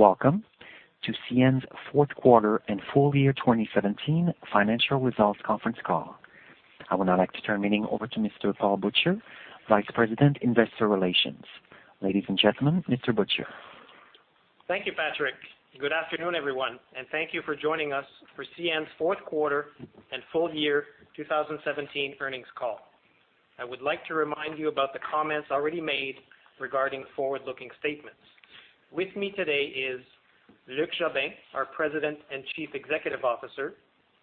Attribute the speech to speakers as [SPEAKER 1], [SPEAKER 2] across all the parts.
[SPEAKER 1] Welcome to CN's fourth quarter and full year 2017 financial results conference call. I would now like to turn the meeting over to Mr. Paul Butcher, Vice President, Investor Relations. Ladies and gentlemen, Mr. Butcher.
[SPEAKER 2] Thank you, Patrick. Good afternoon, everyone, and thank you for joining us for CN's fourth quarter and full year 2017 earnings call. I would like to remind you about the comments already made regarding forward-looking statements. With me today is Luc Jobin, our President and Chief Executive Officer;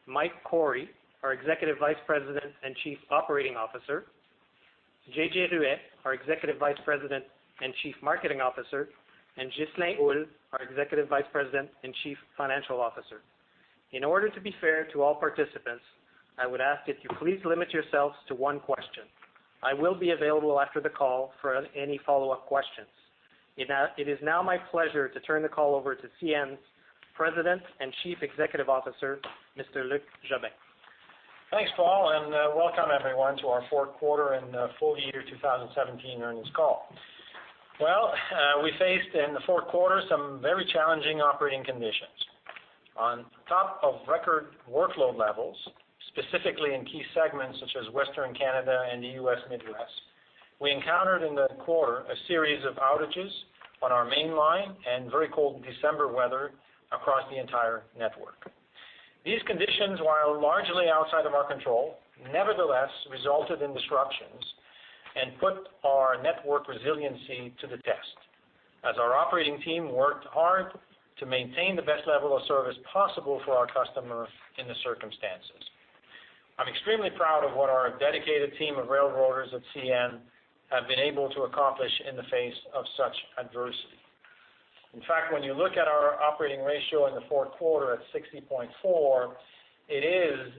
[SPEAKER 2] Mike Cory, our Executive Vice President and Chief Operating Officer; JJ Ruest, our Executive Vice President and Chief Marketing Officer; and Ghislain Houle, our Executive Vice President and Chief Financial Officer. In order to be fair to all participants, I would ask that you please limit yourselves to one question. I will be available after the call for any follow-up questions. It is now my pleasure to turn the call over to CN's President and Chief Executive Officer, Mr. Luc Jobin.
[SPEAKER 3] Thanks, Paul, and welcome everyone to our fourth quarter and full year 2017 earnings call. Well, we faced in the fourth quarter some very challenging operating conditions. On top of record workload levels, specifically in key segments such as Western Canada and the U.S. Midwest, we encountered in that quarter a series of outages on our main line and very cold December weather across the entire network. These conditions, while largely outside of our control, nevertheless resulted in disruptions and put our network resiliency to the test, as our operating team worked hard to maintain the best level of service possible for our customers in the circumstances. I'm extremely proud of what our dedicated team of railroaders at CN have been able to accomplish in the face of such adversity. In fact, when you look at our operating ratio in the fourth quarter at 60.4, it is,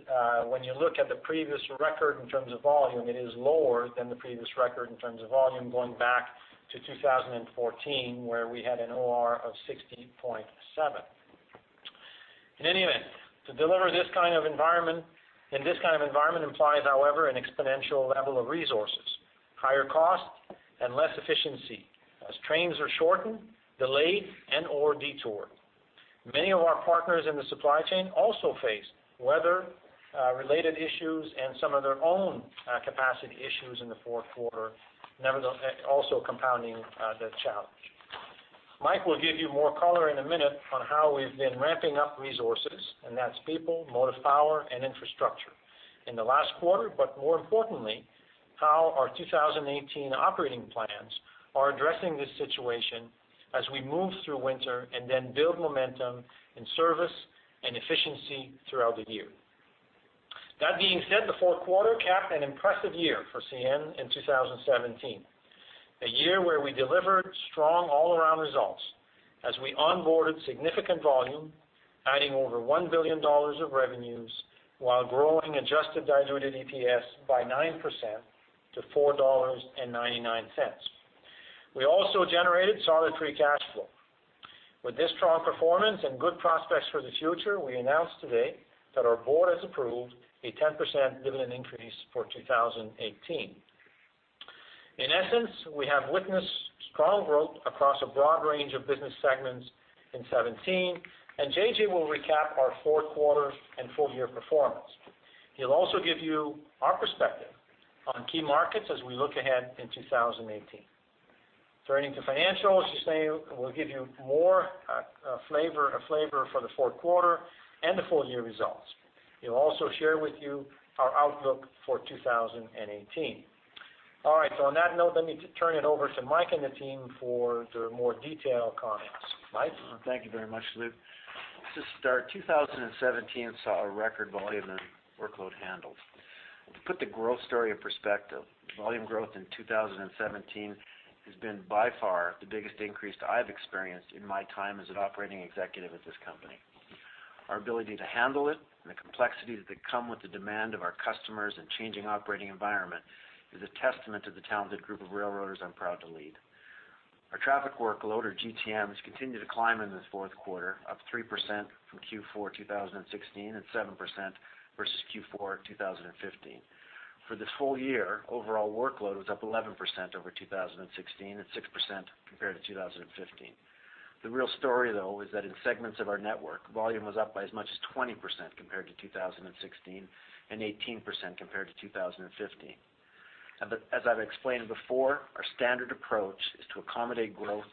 [SPEAKER 3] when you look at the previous record in terms of volume, it is lower than the previous record in terms of volume going back to 2014, where we had an OR of 60.7. In any event, to deliver this kind of environment, in this kind of environment implies, however, an exponential level of resources, higher cost, and less efficiency as trains are shortened, delayed, and/or detoured. Many of our partners in the supply chain also faced weather-related issues and some of their own capacity issues in the fourth quarter, nevertheless, also compounding the challenge. Mike will give you more color in a minute on how we've been ramping up resources, and that's people, motive power, and infrastructure in the last quarter, but more importantly, how our 2018 operating plans are addressing this situation as we move through winter and then build momentum in service and efficiency throughout the year. That being said, the fourth quarter capped an impressive year for CN in 2017, a year where we delivered strong all-around results as we onboarded significant volume, adding over $1 billion of revenues while growing adjusted diluted EPS by 9% to $4.99. We also generated solid free cash flow. With this strong performance and good prospects for the future, we announced today that our board has approved a 10% dividend increase for 2018. In essence, we have witnessed strong growth across a broad range of business segments in 2017, and JJ will recap our fourth quarter and full year performance. He'll also give you our perspective on key markets as we look ahead in 2018. Turning to financials, Ghislain will give you more flavor, a flavor for the fourth quarter and the full year results. He'll also share with you our outlook for 2018. All right, so on that note, let me turn it over to Mike and the team for their more detailed comments. Mike?
[SPEAKER 4] Thank you very much, Luc. To start, 2017 saw a record volume and workload handled. To put the growth story in perspective, volume growth in 2017 has been by far the biggest increase I've experienced in my time as an operating executive at this company. Our ability to handle it and the complexities that come with the demand of our customers and changing operating environment is a testament to the talented group of railroaders I'm proud to lead. Our traffic workload, or GTMs, continued to climb in this fourth quarter, up 3% from Q4 2016, and 7% versus Q4 2015. For this full year, overall workload was up 11% over 2016, and 6% compared to 2015. The real story, though, is that in segments of our network, volume was up by as much as 20% compared to 2016, and 18% compared to 2015. But as I've explained before, our standard approach is to accommodate growth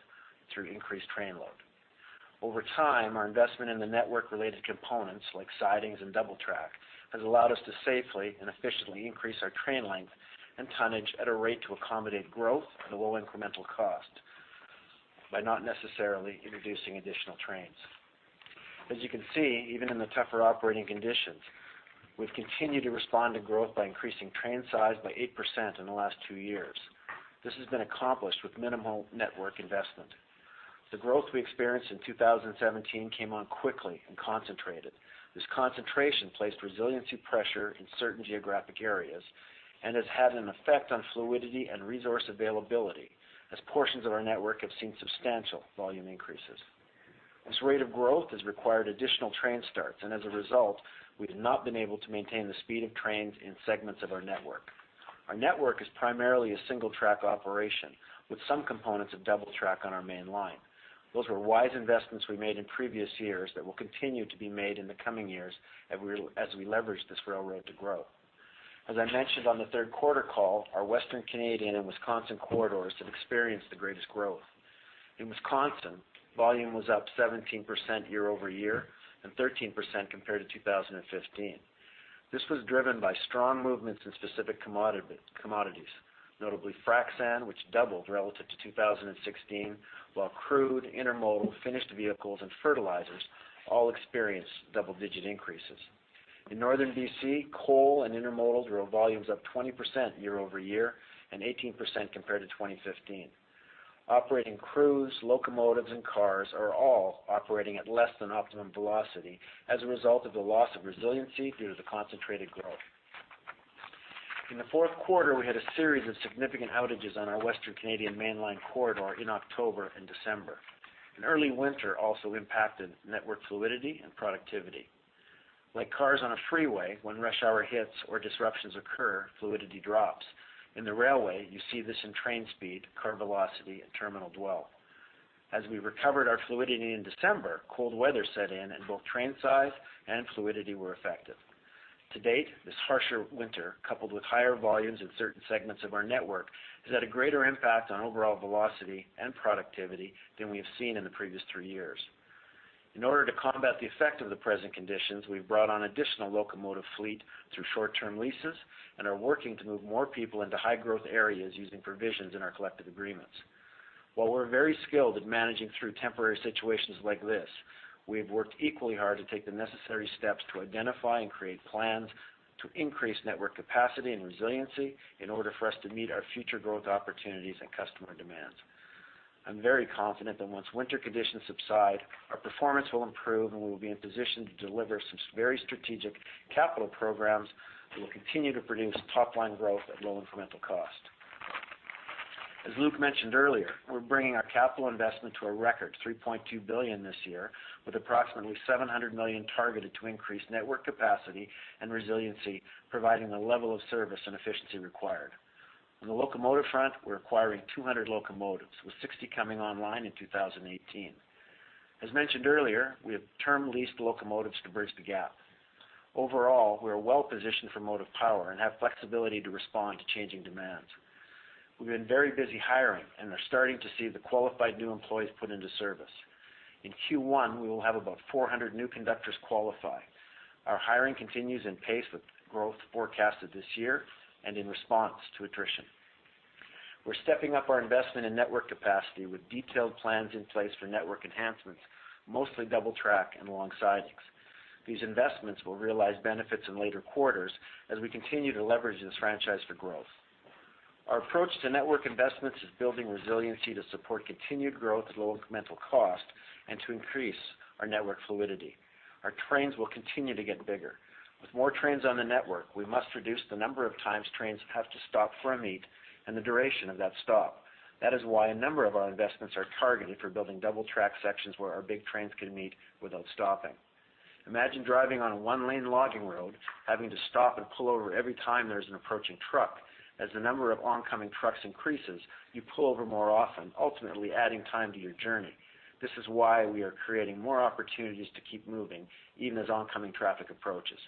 [SPEAKER 4] through increased train load. Over time, our investment in the network-related components, like sidings and double track, has allowed us to safely and efficiently increase our train length and tonnage at a rate to accommodate growth at a low incremental cost by not necessarily introducing additional trains. As you can see, even in the tougher operating conditions, we've continued to respond to growth by increasing train size by 8% in the last 2 years. This has been accomplished with minimal network investment. The growth we experienced in 2017 came on quickly and concentrated. This concentration placed resiliency pressure in certain geographic areas and has had an effect on fluidity and resource availability as portions of our network have seen substantial volume increases. This rate of growth has required additional train starts, and as a result, we've not been able to maintain the speed of trains in segments of our network. Our network is primarily a single-track operation, with some components of double track on our main line. Those were wise investments we made in previous years that will continue to be made in the coming years, and, as we leverage this railroad to grow. As I mentioned on the third quarter call, our Western Canadian and Wisconsin corridors have experienced the greatest growth. In Wisconsin, volume was up 17% year-over-year, and 13% compared to 2015. This was driven by strong movements in specific commodity, commodities, notably frac sand, which doubled relative to 2016, while crude, intermodal, finished vehicles, and fertilizers all experienced double-digit increases. In northern BC, coal and intermodal drove volumes up 20% year-over-year and 18% compared to 2015. Operating crews, locomotives, and cars are all operating at less than optimum velocity as a result of the loss of resiliency due to the concentrated growth. In the fourth quarter, we had a series of significant outages on our Western Canadian mainline corridor in October and December. An early winter also impacted network fluidity and productivity. Like cars on a freeway, when rush hour hits or disruptions occur, fluidity drops. In the railway, you see this in train speed, car velocity, and terminal dwell. As we recovered our fluidity in December, cold weather set in, and both train size and fluidity were affected. To date, this harsher winter, coupled with higher volumes in certain segments of our network, has had a greater impact on overall velocity and productivity than we have seen in the previous three years. In order to combat the effect of the present conditions, we've brought on additional locomotive fleet through short-term leases and are working to move more people into high-growth areas using provisions in our collective agreements. While we're very skilled at managing through temporary situations like this, we have worked equally hard to take the necessary steps to identify and create plans to increase network capacity and resiliency in order for us to meet our future growth opportunities and customer demands. I'm very confident that once winter conditions subside, our performance will improve, and we will be in position to deliver some very strategic capital programs that will continue to produce top-line growth at low incremental cost. As Luc mentioned earlier, we're bringing our capital investment to a record $3.2 billion this year, with approximately $700 million targeted to increase network capacity and resiliency, providing the level of service and efficiency required. On the locomotive front, we're acquiring 200 locomotives, with 60 coming online in 2018. As mentioned earlier, we have term-leased locomotives to bridge the gap. Overall, we are well positioned for motive power and have flexibility to respond to changing demands. We've been very busy hiring and are starting to see the qualified new employees put into service. In Q1, we will have about 400 new conductors qualify. Our hiring continues in pace with growth forecasted this year and in response to attrition. We're stepping up our investment in network capacity with detailed plans in place for network enhancements, mostly double track and long sidings. These investments will realize benefits in later quarters as we continue to leverage this franchise for growth. Our approach to network investments is building resiliency to support continued growth at low incremental cost and to increase our network fluidity. Our trains will continue to get bigger. With more trains on the network, we must reduce the number of times trains have to stop for a meet and the duration of that stop. That is why a number of our investments are targeted for building double-track sections where our big trains can meet without stopping. Imagine driving on a one-lane logging road, having to stop and pull over every time there's an approaching truck. As the number of oncoming trucks increases, you pull over more often, ultimately adding time to your journey. This is why we are creating more opportunities to keep moving, even as oncoming traffic approaches.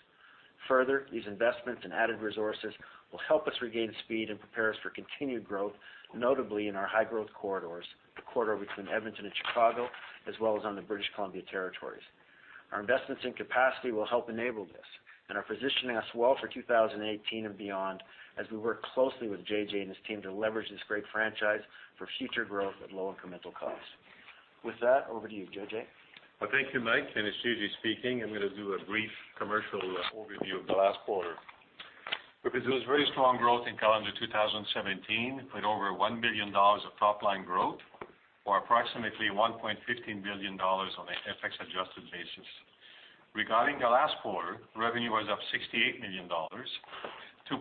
[SPEAKER 4] Further, these investments and added resources will help us regain speed and prepare us for continued growth, notably in our high-growth corridors, the corridor between Edmonton and Chicago, as well as on the British Columbia territories. Our investments in capacity will help enable this and are positioning us well for 2018 and beyond, as we work closely with JJ and his team to leverage this great franchise for future growth at low incremental cost. With that, over to you, JJ.
[SPEAKER 5] Well, thank you, Mike, and it's JJ speaking. I'm gonna do a brief commercial overview of the last quarter. Because it was very strong growth in calendar 2017, with over $1 million of top-line growth or approximately $1.15 billion on a FX-adjusted basis. Regarding the last quarter, revenue was up $68 million, 2.1%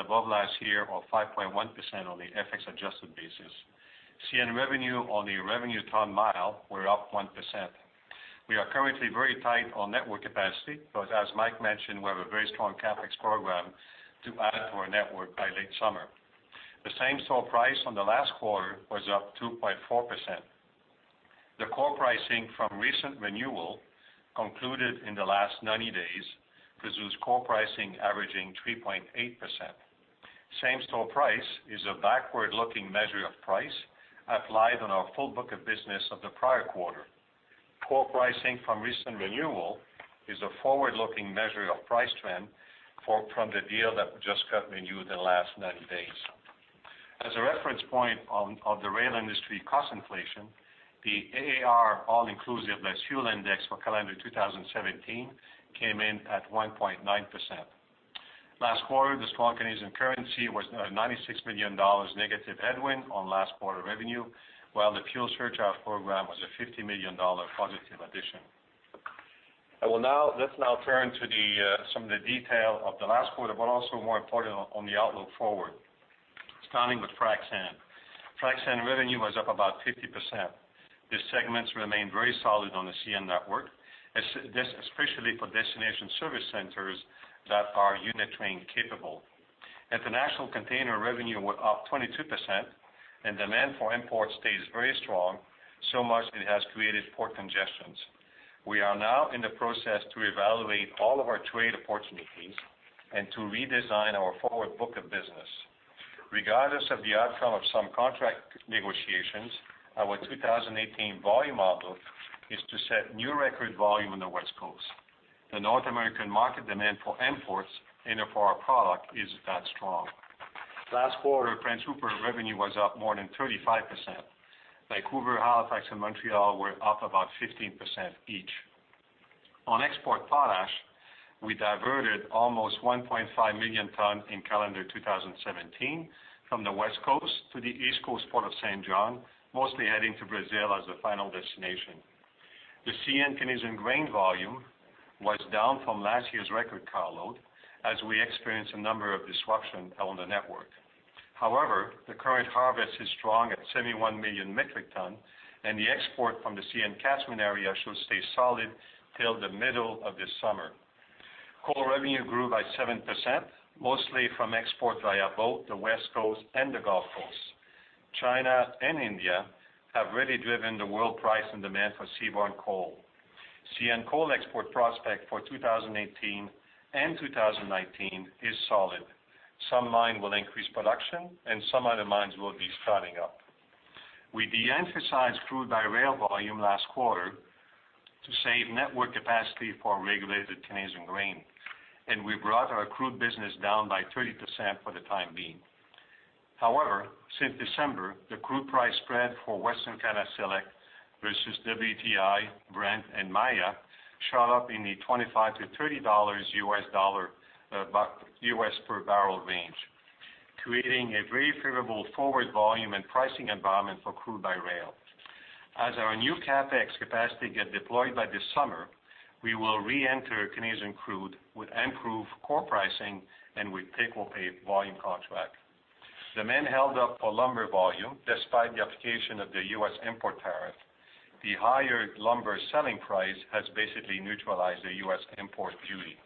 [SPEAKER 5] above last year or 5.1% on the FX-adjusted basis. CN revenue ton-miles were up 1%. We are currently very tight on network capacity, but as Mike mentioned, we have a very strong CapEx program to add to our network by late summer. The same store price on the last quarter was up 2.4%. The core pricing from recent renewal, concluded in the last 90 days, presents core pricing averaging 3.8%. Same store price is a backward-looking measure of price applied on our full book of business of the prior quarter. Core pricing from recent renewal is a forward-looking measure of price trend for from the deal that we just got renewed in the last 90 days. As a reference point on of the rail industry cost inflation, the AAR All-Inclusive Less Fuel Index for calendar 2017 came in at 1.9%. Last quarter, the strong Canadian currency was a $96 million negative headwind on last quarter revenue, while the fuel surcharge program was a $50 million positive addition. Let's now turn to the some of the detail of the last quarter, but also more importantly, on the outlook forward. Starting with frac sand. Frac sand revenue was up about 50%. This segments remained very solid on the CN network, especially for destination service centers that are unit train capable. International container revenue were up 22%, and demand for imports stays very strong, so much it has created port congestions. We are now in the process to evaluate all of our trade opportunities and to redesign our forward book of business. Regardless of the outcome of some contract negotiations, our 2018 volume outlook is to set new record volume on the West Coast. The North American market demand for imports and for our product is that strong. Last quarter, Prince Rupert revenue was up more than 35%. Vancouver, Halifax, and Montreal were up about 15% each. On export potash, we diverted almost 1.5 million tons in calendar 2017 from the West Coast to the East Coast Port of Saint John, mostly heading to Brazil as the final destination. The CN Canadian grain volume was down from last year's record carload, as we experienced a number of disruptions on the network. However, the current harvest is strong at 71 million metric tons, and the export from the CN catchment area should stay solid till the middle of this summer. Coal revenue grew by 7%, mostly from export via both the West Coast and the Gulf Coast. China and India have really driven the world price and demand for seaborne coal. CN coal export prospect for 2018 and 2019 is solid. Some mines will increase production, and some other mines will be starting up. We de-emphasized crude by rail volume last quarter to save network capacity for regulated Canadian grain, and we brought our crude business down by 30% for the time being. However, since December, the crude price spread for Western Canada Select versus WTI, Brent and Maya, shot up in the $25-$30 U.S. dollar, buck, U.S. per barrel range, creating a very favorable forward volume and pricing environment for crude by rail. As our new CapEx capacity get deployed by this summer, we will reenter Canadian crude with improved core pricing and with take-or-pay volume contract. Demand held up for lumber volume, despite the application of the U.S. import tariff. The higher lumber selling price has basically neutralized the U.S. import duty.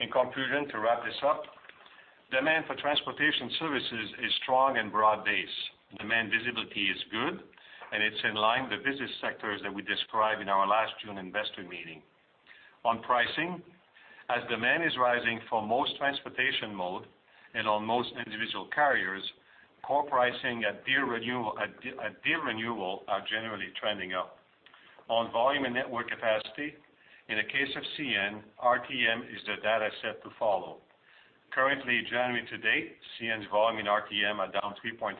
[SPEAKER 5] In conclusion, to wrap this up, demand for transportation services is strong and broad-based. Demand visibility is good, and it's in line with the business sectors that we described in our last June investor meeting. On pricing, as demand is rising for most transportation mode and on most individual carriers, core pricing at deal renewal are generally trending up. On volume and network capacity, in the case of CN, RTM is the data set to follow. Currently, January to date, CN's volume in RTM are down 3.5%,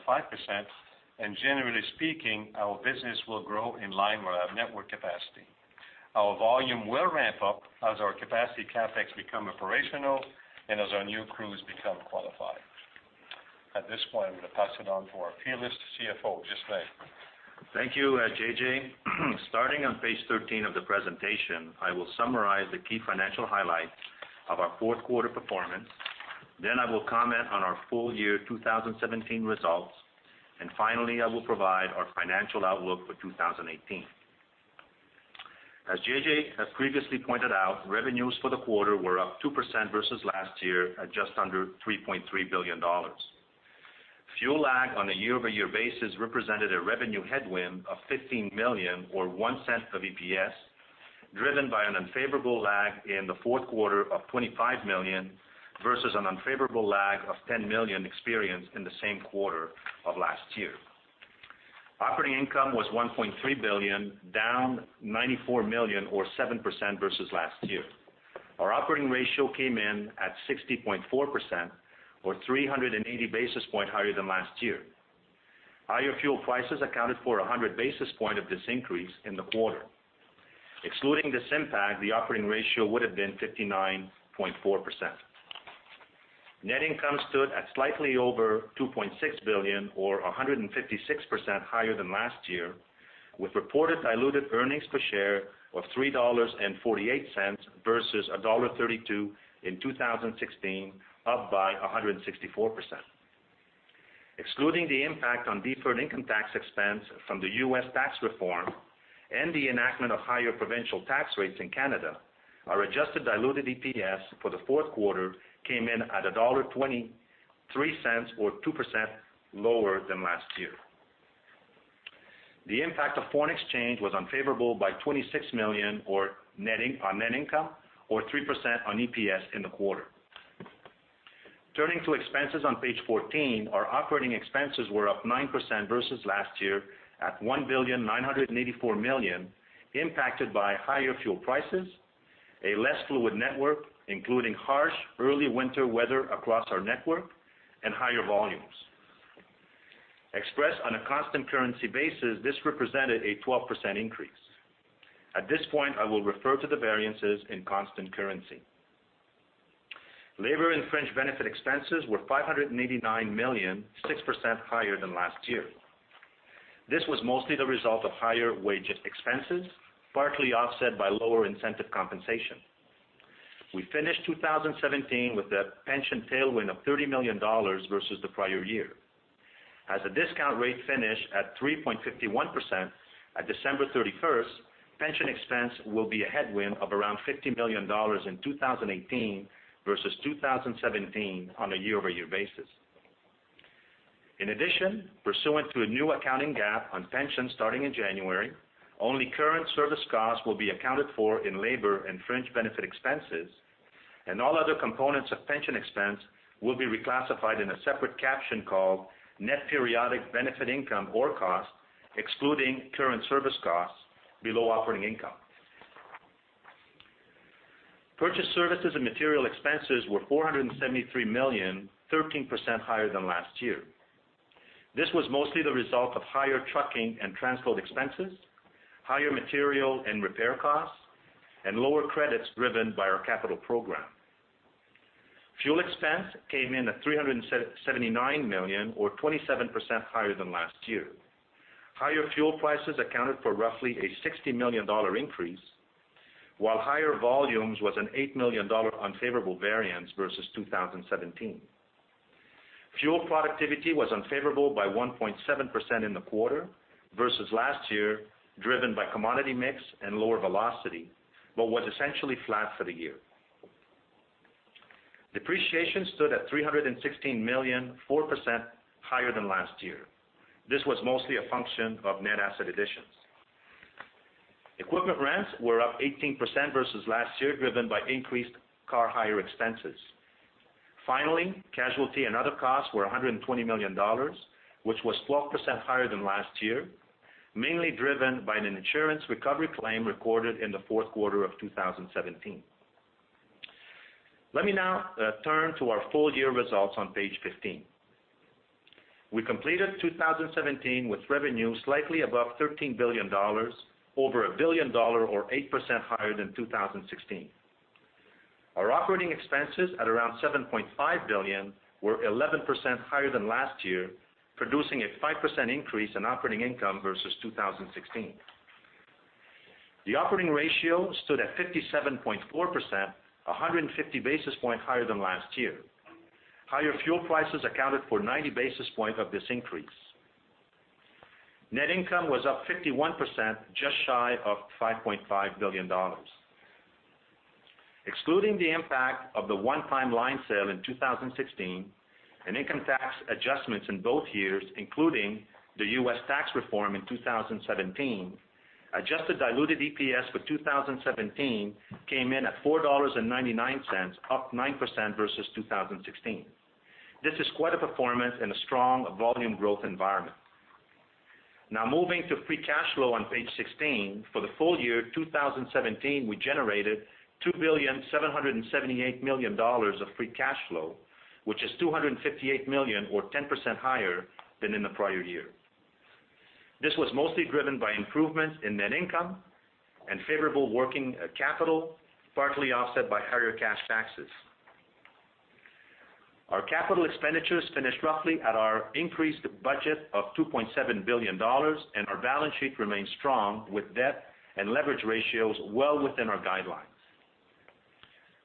[SPEAKER 5] and generally speaking, our business will grow in line with our network capacity. Our volume will ramp up as our capacity CapEx become operational and as our new crews become qualified. At this point, I'm gonna pass it on to our peerless CFO, Ghislain.
[SPEAKER 6] Thank you, JJ. Starting on page 13 of the presentation, I will summarize the key financial highlights of our fourth quarter performance. Then I will comment on our full year 2017 results. Finally, I will provide our financial outlook for 2018. As JJ has previously pointed out, revenues for the quarter were up 2% versus last year at just under $3.3 billion. Fuel lag on a year-over-year basis represented a revenue headwind of $15 million or $0.01 of EPS, driven by an unfavorable lag in the fourth quarter of $25 million versus an unfavorable lag of $10 million experienced in the same quarter of last year. Operating income was $1.3 billion, down $94 million or 7% versus last year. Our operating ratio came in at 60.4% or 380 basis points higher than last year. Higher fuel prices accounted for 100 basis points of this increase in the quarter. Excluding this impact, the operating ratio would have been 59.4%. Net income stood at slightly over $2.6 billion or 156% higher than last year, with reported diluted earnings per share of $3.48 versus $1.32 in 2016, up by 164%. Excluding the impact on deferred income tax expense from the U.S. tax reform and the enactment of higher provincial tax rates in Canada, our adjusted diluted EPS for the fourth quarter came in at $1.23 or 2% lower than last year. The impact of foreign exchange was unfavorable by $26 million or netting on net income, or 3% on EPS in the quarter. Turning to expenses on page 14, our operating expenses were up 9% versus last year at $1,984 million, impacted by higher fuel prices, a less fluid network, including harsh early winter weather across our network, and higher volumes. Expressed on a constant currency basis, this represented a 12% increase. At this point, I will refer to the variances in constant currency. Labor and fringe benefit expenses were $589 million, 6% higher than last year. This was mostly the result of higher wage expenses, partly offset by lower incentive compensation. We finished 2017 with a pension tailwind of $30 million versus the prior year. As the discount rate finished at 3.51% at December 31st, pension expense will be a headwind of around $50 million in 2018 versus 2017 on a year-over-year basis. In addition, pursuant to a new accounting GAAP on pensions starting in January, only current service costs will be accounted for in labor and fringe benefit expenses, and all other components of pension expense will be reclassified in a separate caption called Net Periodic Benefit Income or Cost, excluding current service costs below operating income. Purchased services and material expenses were $473 million, 13% higher than last year. This was mostly the result of higher trucking and transload expenses, higher material and repair costs, and lower credits driven by our capital program. Fuel expense came in at $379 million, or 27% higher than last year. Higher fuel prices accounted for roughly a $60 million increase, while higher volumes was an $8 million unfavorable variance versus 2017. Fuel productivity was unfavorable by 1.7% in the quarter versus last year, driven by commodity mix and lower velocity, but was essentially flat for the year. Depreciation stood at $316 million, 4% higher than last year. This was mostly a function of net asset additions. Equipment rents were up 18% versus last year, driven by increased car hire expenses. Finally, casualty and other costs were $120 million, which was 12% higher than last year, mainly driven by an insurance recovery claim recorded in the fourth quarter of 2017. Let me now turn to our full-year results on page 15. We completed 2017 with revenue slightly above $13 billion, over a $1 billion or 8% higher than 2016. Our operating expenses, at around $7.5 billion, were 11% higher than last year, producing a 5% increase in operating income versus 2016. The operating ratio stood at 57.4%, a 150 basis points higher than last year. Higher fuel prices accounted for 90 basis points of this increase. Net income was up 51%, just shy of $5.5 billion. Excluding the impact of the one-time line sale in 2016, and income tax adjustments in both years, including the U.S. tax reform in 2017, adjusted diluted EPS for 2017 came in at 4.99 dollars, up 9% versus 2016. This is quite a performance in a strong volume growth environment. Now, moving to free cash flow on page 16. For the full year 2017, we generated 2.778 billion of free cash flow, which is 258 million or 10% higher than in the prior year. This was mostly driven by improvements in net income and favorable working capital, partly offset by higher cash taxes. Our capital expenditures finished roughly at our increased budget of $2.7 billion, and our balance sheet remains strong, with debt and leverage ratios well within our guidelines.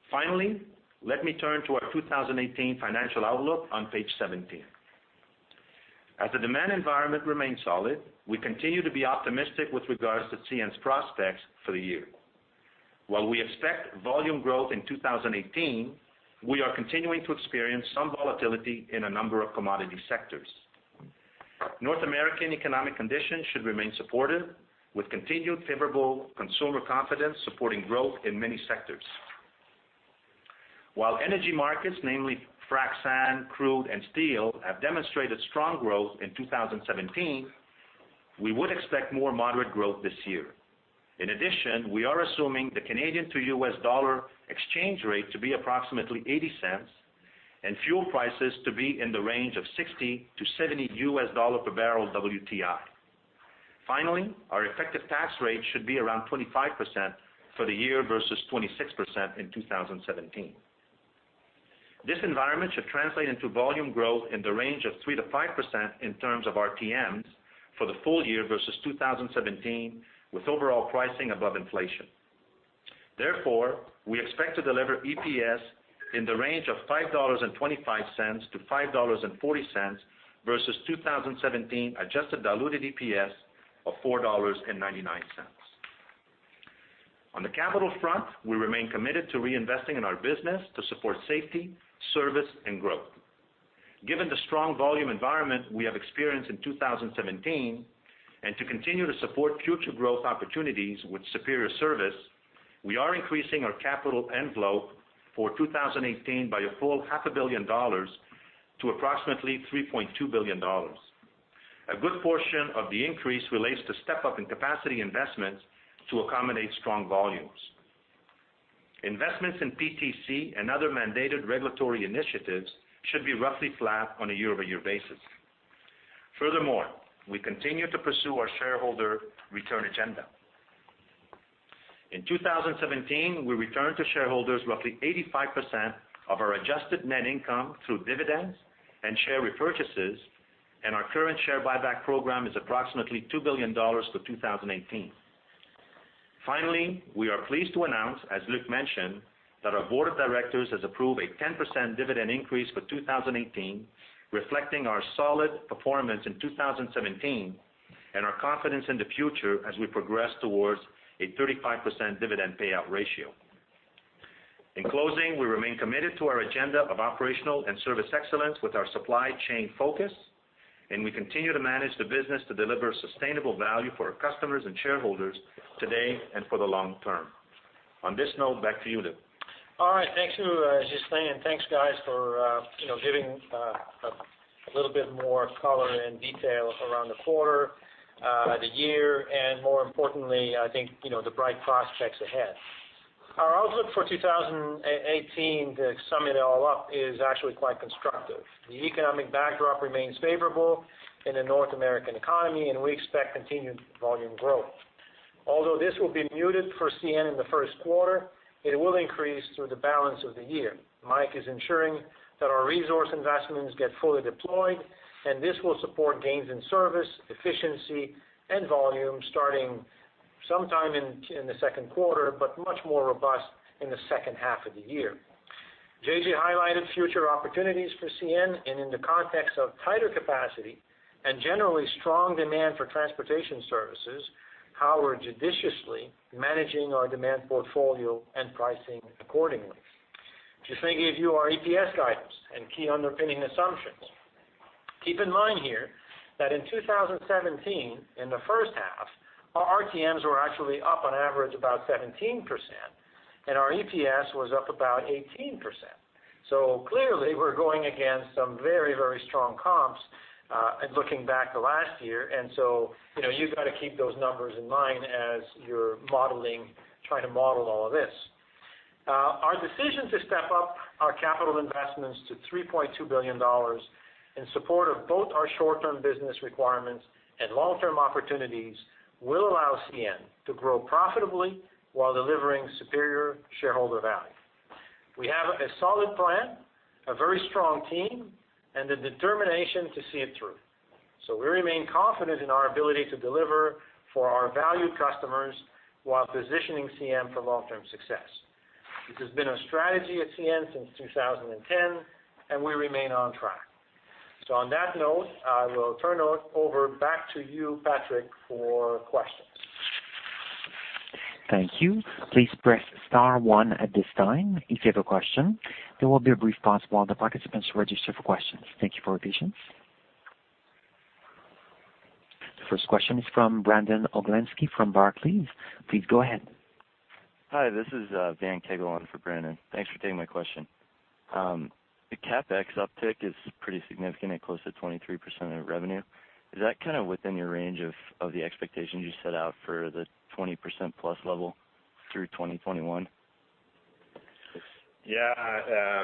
[SPEAKER 6] Finally, let me turn to our 2018 financial outlook on page 17. As the demand environment remains solid, we continue to be optimistic with regards to CN's prospects for the year. While we expect volume growth in 2018, we are continuing to experience some volatility in a number of commodity sectors. North American economic conditions should remain supportive, with continued favorable consumer confidence supporting growth in many sectors. While energy markets, namely frac sand, crude, and steel, have demonstrated strong growth in 2017, we would expect more moderate growth this year. In addition, we are assuming the Canadian to U.S. dollar exchange rate to be approximately 80 cents, and fuel prices to be in the range of $60-$70 per barrel WTI. Finally, our effective tax rate should be around 25% for the year, versus 26% in 2017. This environment should translate into volume growth in the range of 3%-5% in terms of RTMs for the full year versus 2017, with overall pricing above inflation. Therefore, we expect to deliver EPS in the range of $5.25-$5.40 versus 2017 adjusted diluted EPS of $4.99. On the capital front, we remain committed to reinvesting in our business to support safety, service, and growth. Given the strong volume environment we have experienced in 2017, and to continue to support future growth opportunities with superior service, we are increasing our capital envelope for 2018 by a full $500 million to approximately $3.2 billion. A good portion of the increase relates to step up in capacity investments to accommodate strong volumes. Investments in PTC and other mandated regulatory initiatives should be roughly flat on a year-over-year basis. Furthermore, we continue to pursue our shareholder return agenda. In 2017, we returned to shareholders roughly 85% of our adjusted net income through dividends and share repurchases and our current share buyback program is approximately $2 billion for 2018. Finally, we are pleased to announce, as Luc mentioned, that our board of directors has approved a 10% dividend increase for 2018, reflecting our solid performance in 2017, and our confidence in the future as we progress towards a 35% dividend payout ratio. In closing, we remain committed to our agenda of operational and service excellence with our supply chain focus, and we continue to manage the business to deliver sustainable value for our customers and shareholders today and for the long term. On this note, back to you, Luc.
[SPEAKER 3] All right, thank you, Ghislain, and thanks, guys, for, you know, giving, a little bit more color and detail around the quarter, the year, and more importantly, I think, you know, the bright prospects ahead. Our outlook for 2018, to sum it all up, is actually quite constructive. The economic backdrop remains favorable in the North American economy, and we expect continued volume growth. Although this will be muted for CN in the first quarter, it will increase through the balance of the year. Mike is ensuring that our resource investments get fully deployed, and this will support gains in service, efficiency, and volume starting sometime in, in the second quarter, but much more robust in the second half of the year. JJ highlighted future opportunities for CN, and in the context of tighter capacity and generally strong demand for transportation services, how we're judiciously managing our demand portfolio and pricing accordingly. Ghislain gave you our EPS guidance and key underpinning assumptions. Keep in mind here that in 2017, in the first half, our RTMs were actually up on average about 17%, and our EPS was up about 18%. So clearly, we're going against some very, very strong comps, and looking back to last year, and so, you know, you've got to keep those numbers in mind as you're modeling, trying to model all of this. Our decision to step up our capital investments to $3.2 billion in support of both our short-term business requirements and long-term opportunities will allow CN to grow profitably while delivering superior shareholder value. We have a solid plan, a very strong team, and the determination to see it through. We remain confident in our ability to deliver for our valued customers while positioning CN for long-term success. This has been a strategy at CN since 2010, and we remain on track. On that note, I will turn it over back to you, Patrick, for questions.
[SPEAKER 1] Thank you. Please press star one at this time if you have a question. There will be a brief pause while the participants register for questions. Thank you for your patience. The first question is from Brandon Oglenski from Barclays. Please go ahead.
[SPEAKER 7] Hi, this is Dan Cagle on for Brandon. Thanks for taking my question. The CapEx uptick is pretty significant at close to 23% of revenue. Is that kind of within your range of the expectations you set out for the 20%+ level through 2021?
[SPEAKER 6] Yeah,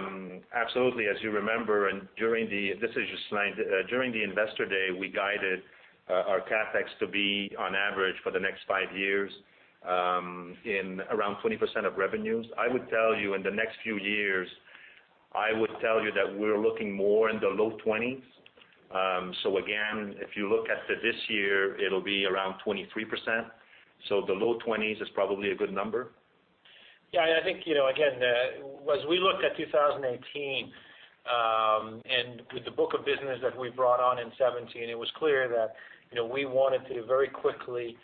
[SPEAKER 6] absolutely. As you remember, during the—this is Ghislain. During the Investor Day, we guided our CapEx to be on average for the next five years in around 20% of revenues. I would tell you in the next few years, I would tell you that we're looking more in the low 20s. So again, if you look at this year, it'll be around 23%. So the low 20s is probably a good number.
[SPEAKER 3] Yeah, I think, you know, again, as we look at 2018, and with the book of business that we brought on in 2017, it was clear that, you know, we wanted to very quickly,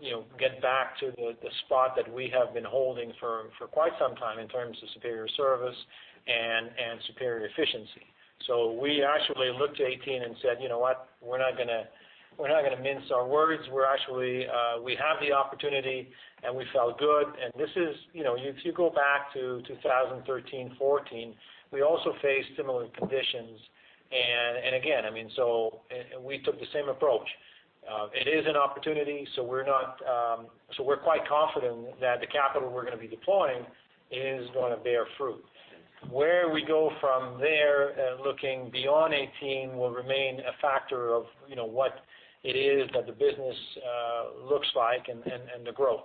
[SPEAKER 3] you know, get back to the, the spot that we have been holding for, for quite some time in terms of superior service and, and superior efficiency. So we actually looked to 2018 and said, "You know what? We're not gonna, we're not gonna mince our words. We're actually, we have the opportunity," and we felt good. And this is, you know, if you go back to 2013, 2014, we also faced similar conditions. And, and again, I mean, so, and we took the same approach. It is an opportunity, so we're not... So we're quite confident that the capital we're gonna be deploying is gonna bear fruit. Where we go from there, looking beyond 2018, will remain a factor of, you know, what it is that the business looks like and the growth.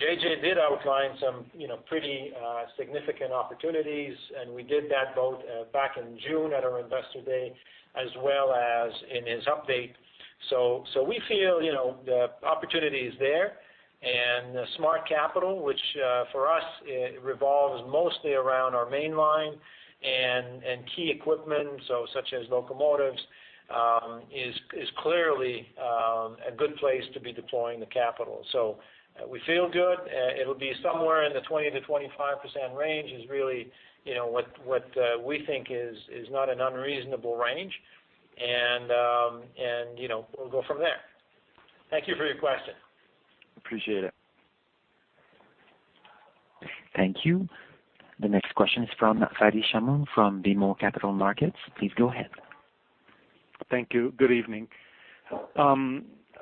[SPEAKER 3] JJ did outline some, you know, pretty significant opportunities, and we did that both back in June at our Investor Day, as well as in his update. So we feel, you know, the opportunity is there, and smart capital, which for us, it revolves mostly around our main line and key equipment, such as locomotives, is clearly a good place to be deploying the capital. So we feel good. It'll be somewhere in the 20%-25% range is really, you know, what we think is not an unreasonable range. you know, we'll go from there. Thank you for your question.
[SPEAKER 7] Appreciate it.
[SPEAKER 1] Thank you. The next question is from Fadi Chamoun from BMO Capital Markets. Please go ahead.
[SPEAKER 8] Thank you. Good evening.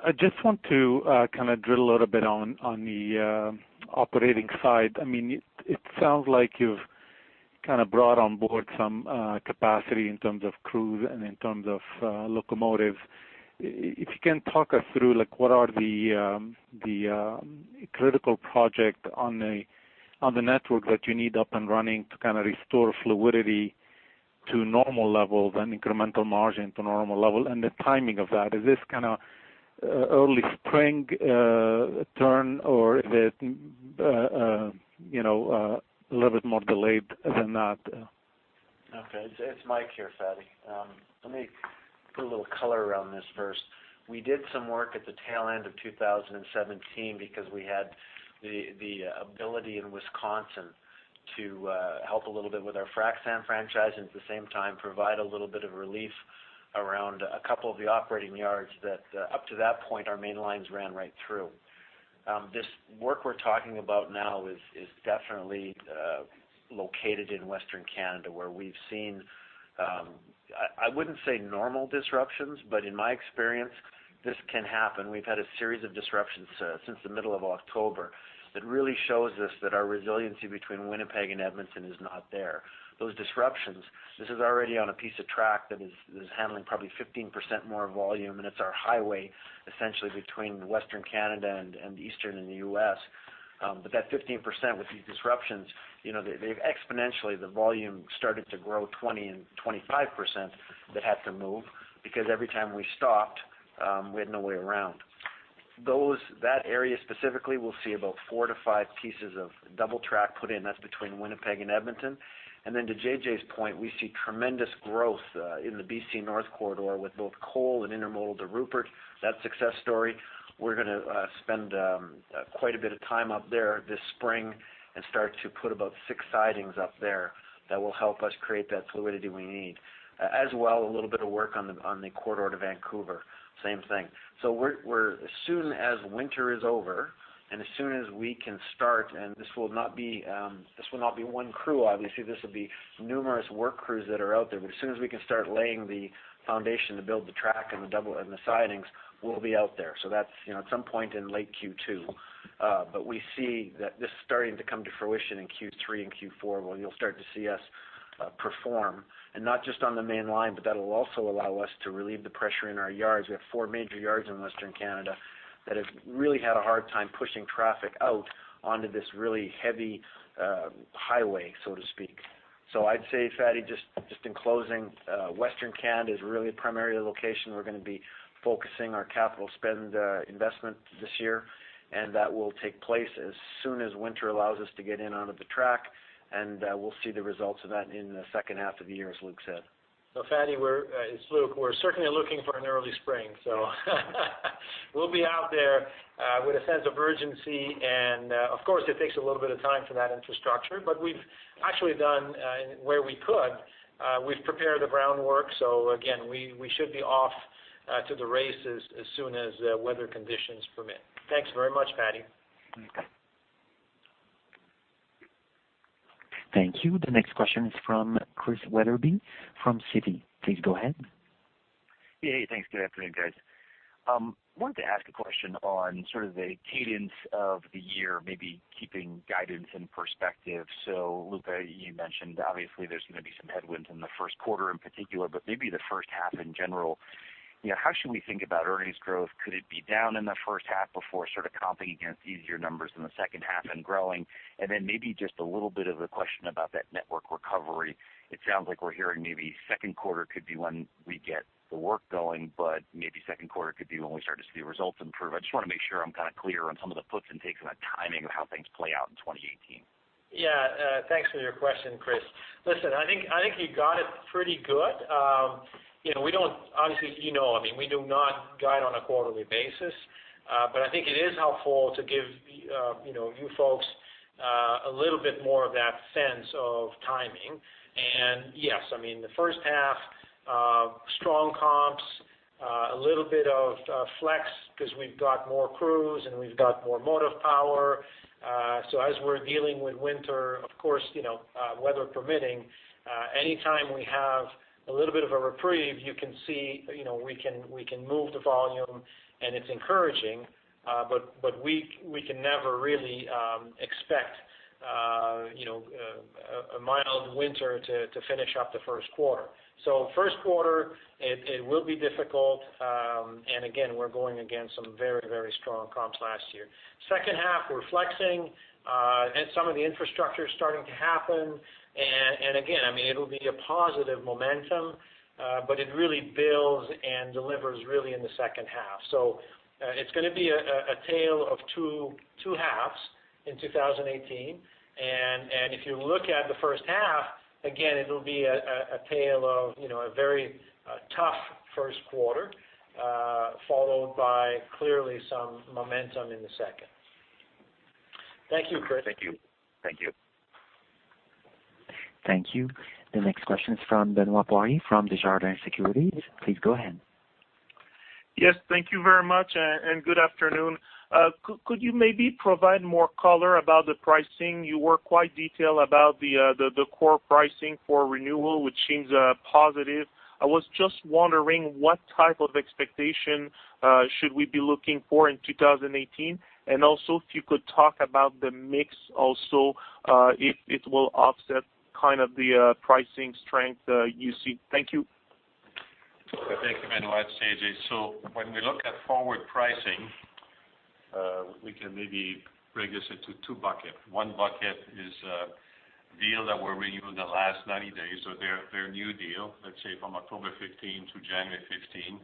[SPEAKER 8] I just want to kind of drill a little bit on the operating side. I mean, it sounds like you've kind of brought on board some capacity in terms of crews and in terms of locomotives. If you can talk us through, like, what are the critical project on the network that you need up and running to kind of restore fluidity to normal levels and incremental margin to normal level, and the timing of that. Is this kind of early spring turn, or is it you know, a little bit more delayed than that?
[SPEAKER 4] Okay. It's, it's Mike here, Fadi. Let me put a little color around this first. We did some work at the tail end of 2017 because we had the ability in Wisconsin to help a little bit with our frac sand franchise, and at the same time, provide a little bit of relief around a couple of the operating yards that up to that point, our main lines ran right through. This work we're talking about now is definitely located in Western Canada, where we've seen, I wouldn't say normal disruptions, but in my experience, this can happen. We've had a series of disruptions since the middle of October, that really shows us that our resiliency between Winnipeg and Edmonton is not there. Those disruptions, this is already on a piece of track that is handling probably 15% more volume, and it's our highway, essentially between Western Canada and eastern and the U.S. But that 15% with these disruptions, you know, they've exponentially, the volume started to grow 20% and 25% that had to move. Because every time we stopped, we had no way around. That area specifically, we'll see about 4-5 pieces of double track put in. That's between Winnipeg and Edmonton. And then to JJ's point, we see tremendous growth in the B.C. North Corridor with both coal and intermodal to Rupert. That success story, we're gonna spend quite a bit of time up there this spring and start to put about 6 sidings up there that will help us create that fluidity we need. As well, a little bit of work on the corridor to Vancouver, same thing. So we're as soon as winter is over, and as soon as we can start, and this will not be one crew, obviously, this will be numerous work crews that are out there. But as soon as we can start laying the foundation to build the track and the double, and the sidings, we'll be out there. So that's, you know, at some point in late Q2. But we see that this is starting to come to fruition in Q3 and Q4, when you'll start to see us perform. And not just on the main line, but that'll also allow us to relieve the pressure in our yards. We have four major yards in Western Canada that have really had a hard time pushing traffic out onto this really heavy, highway, so to speak. So I'd say, Fadi, just, just in closing, Western Canada is really primarily the location we're gonna be focusing our capital spend, investment this year, and that will take place as soon as winter allows us to get in onto the track, and, we'll see the results of that in the second half of the year, as Luc said.
[SPEAKER 3] So, Fadi, we're—it's Luc. We're certainly looking for an early spring, so we'll be out there with a sense of urgency, and, of course, it takes a little bit of time for that infrastructure. But we've actually done where we could. We've prepared the groundwork, so again, we should be off to the races as soon as weather conditions permit. Thanks very much, Fadi.
[SPEAKER 8] Thank you.
[SPEAKER 1] Thank you. The next question is from Chris Wetherbee, from Citi. Please go ahead.
[SPEAKER 9] Yeah, hey, thanks. Good afternoon, guys. Wanted to ask a question on sort of the cadence of the year, maybe keeping guidance in perspective. So Luc, you mentioned obviously there's gonna be some headwinds in the first quarter in particular, but maybe the first half in general. You know, how should we think about earnings growth? Could it be down in the first half before sort of comping against easier numbers in the second half and growing? And then maybe just a little bit of a question about that network recovery. It sounds like we're hearing maybe second quarter could be when we get the work going, but maybe second quarter could be when we start to see results improve. I just wanna make sure I'm kind of clear on some of the puts and takes on the timing of how things play out in 2018.
[SPEAKER 3] Yeah, thanks for your question, Chris. Listen, I think, I think you got it pretty good. You know, we don't obviously, you know, I mean, we do not guide on a quarterly basis, but I think it is helpful to give, you know, you folks, a little bit more of that sense of timing. And yes, I mean, the first half, strong comps, a little bit of, flex, because we've got more crews and we've got more motive power. So as we're dealing with winter, of course, you know, weather permitting, anytime we have a little bit of a reprieve, you can see, you know, we can, we can move the volume and it's encouraging. But, but we, we can never really, expect, you know, a mild winter to, to finish up the first quarter. So first quarter, it will be difficult. And again, we're going against some very, very strong comps last year. Second half, we're flexing, and some of the infrastructure is starting to happen. And again, I mean, it'll be a positive momentum, but it really builds and delivers really in the second half. So, it's gonna be a tale of two halves in 2018. And if you look at the first half, again, it'll be a tale of, you know, a very tough first quarter, followed by clearly some momentum in the second. Thank you, Chris.
[SPEAKER 9] Thank you. Thank you.
[SPEAKER 1] Thank you. The next question is from Benoit Poirier, from Desjardins Securities. Please go ahead.
[SPEAKER 10] Yes, thank you very much, and good afternoon. Could you maybe provide more color about the pricing? You were quite detailed about the core pricing for renewal, which seems positive. I was just wondering what type of expectation should we be looking for in 2018? And also, if you could talk about the mix also, if it will offset kind of the pricing strength, you see. Thank you....
[SPEAKER 5] Thank you very much, JJ. So when we look at forward pricing, we can maybe break this into two buckets. One bucket is, deal that were renewed in the last 90 days, so they're, they're new deal, let's say from October 2015 to January 2015.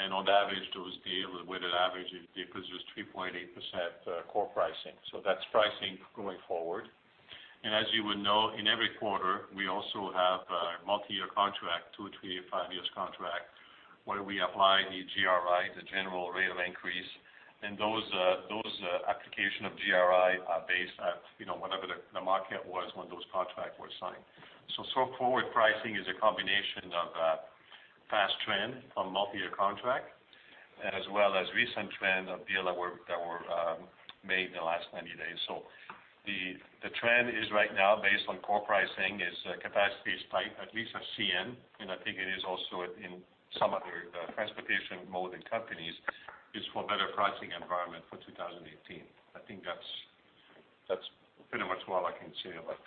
[SPEAKER 5] And on average, those deals with an average of, because it was 3.8%, core pricing. So that's pricing going forward. And as you would know, in every quarter, we also have a multi-year contract, 2, 3, 5 years contract, where we apply the GRI, the General Rate Increase. And those, those, application of GRI are based at, you know, whatever the, the market was when those contracts were signed. So forward pricing is a combination of past trend from multi-year contract, as well as recent trend of deal that were made in the last 90 days. So the trend is right now, based on core pricing, is capacity is tight, at least at CN, and I think it is also in some other transportation mode and companies, is for better pricing environment for 2018. I think that's pretty much all I can say about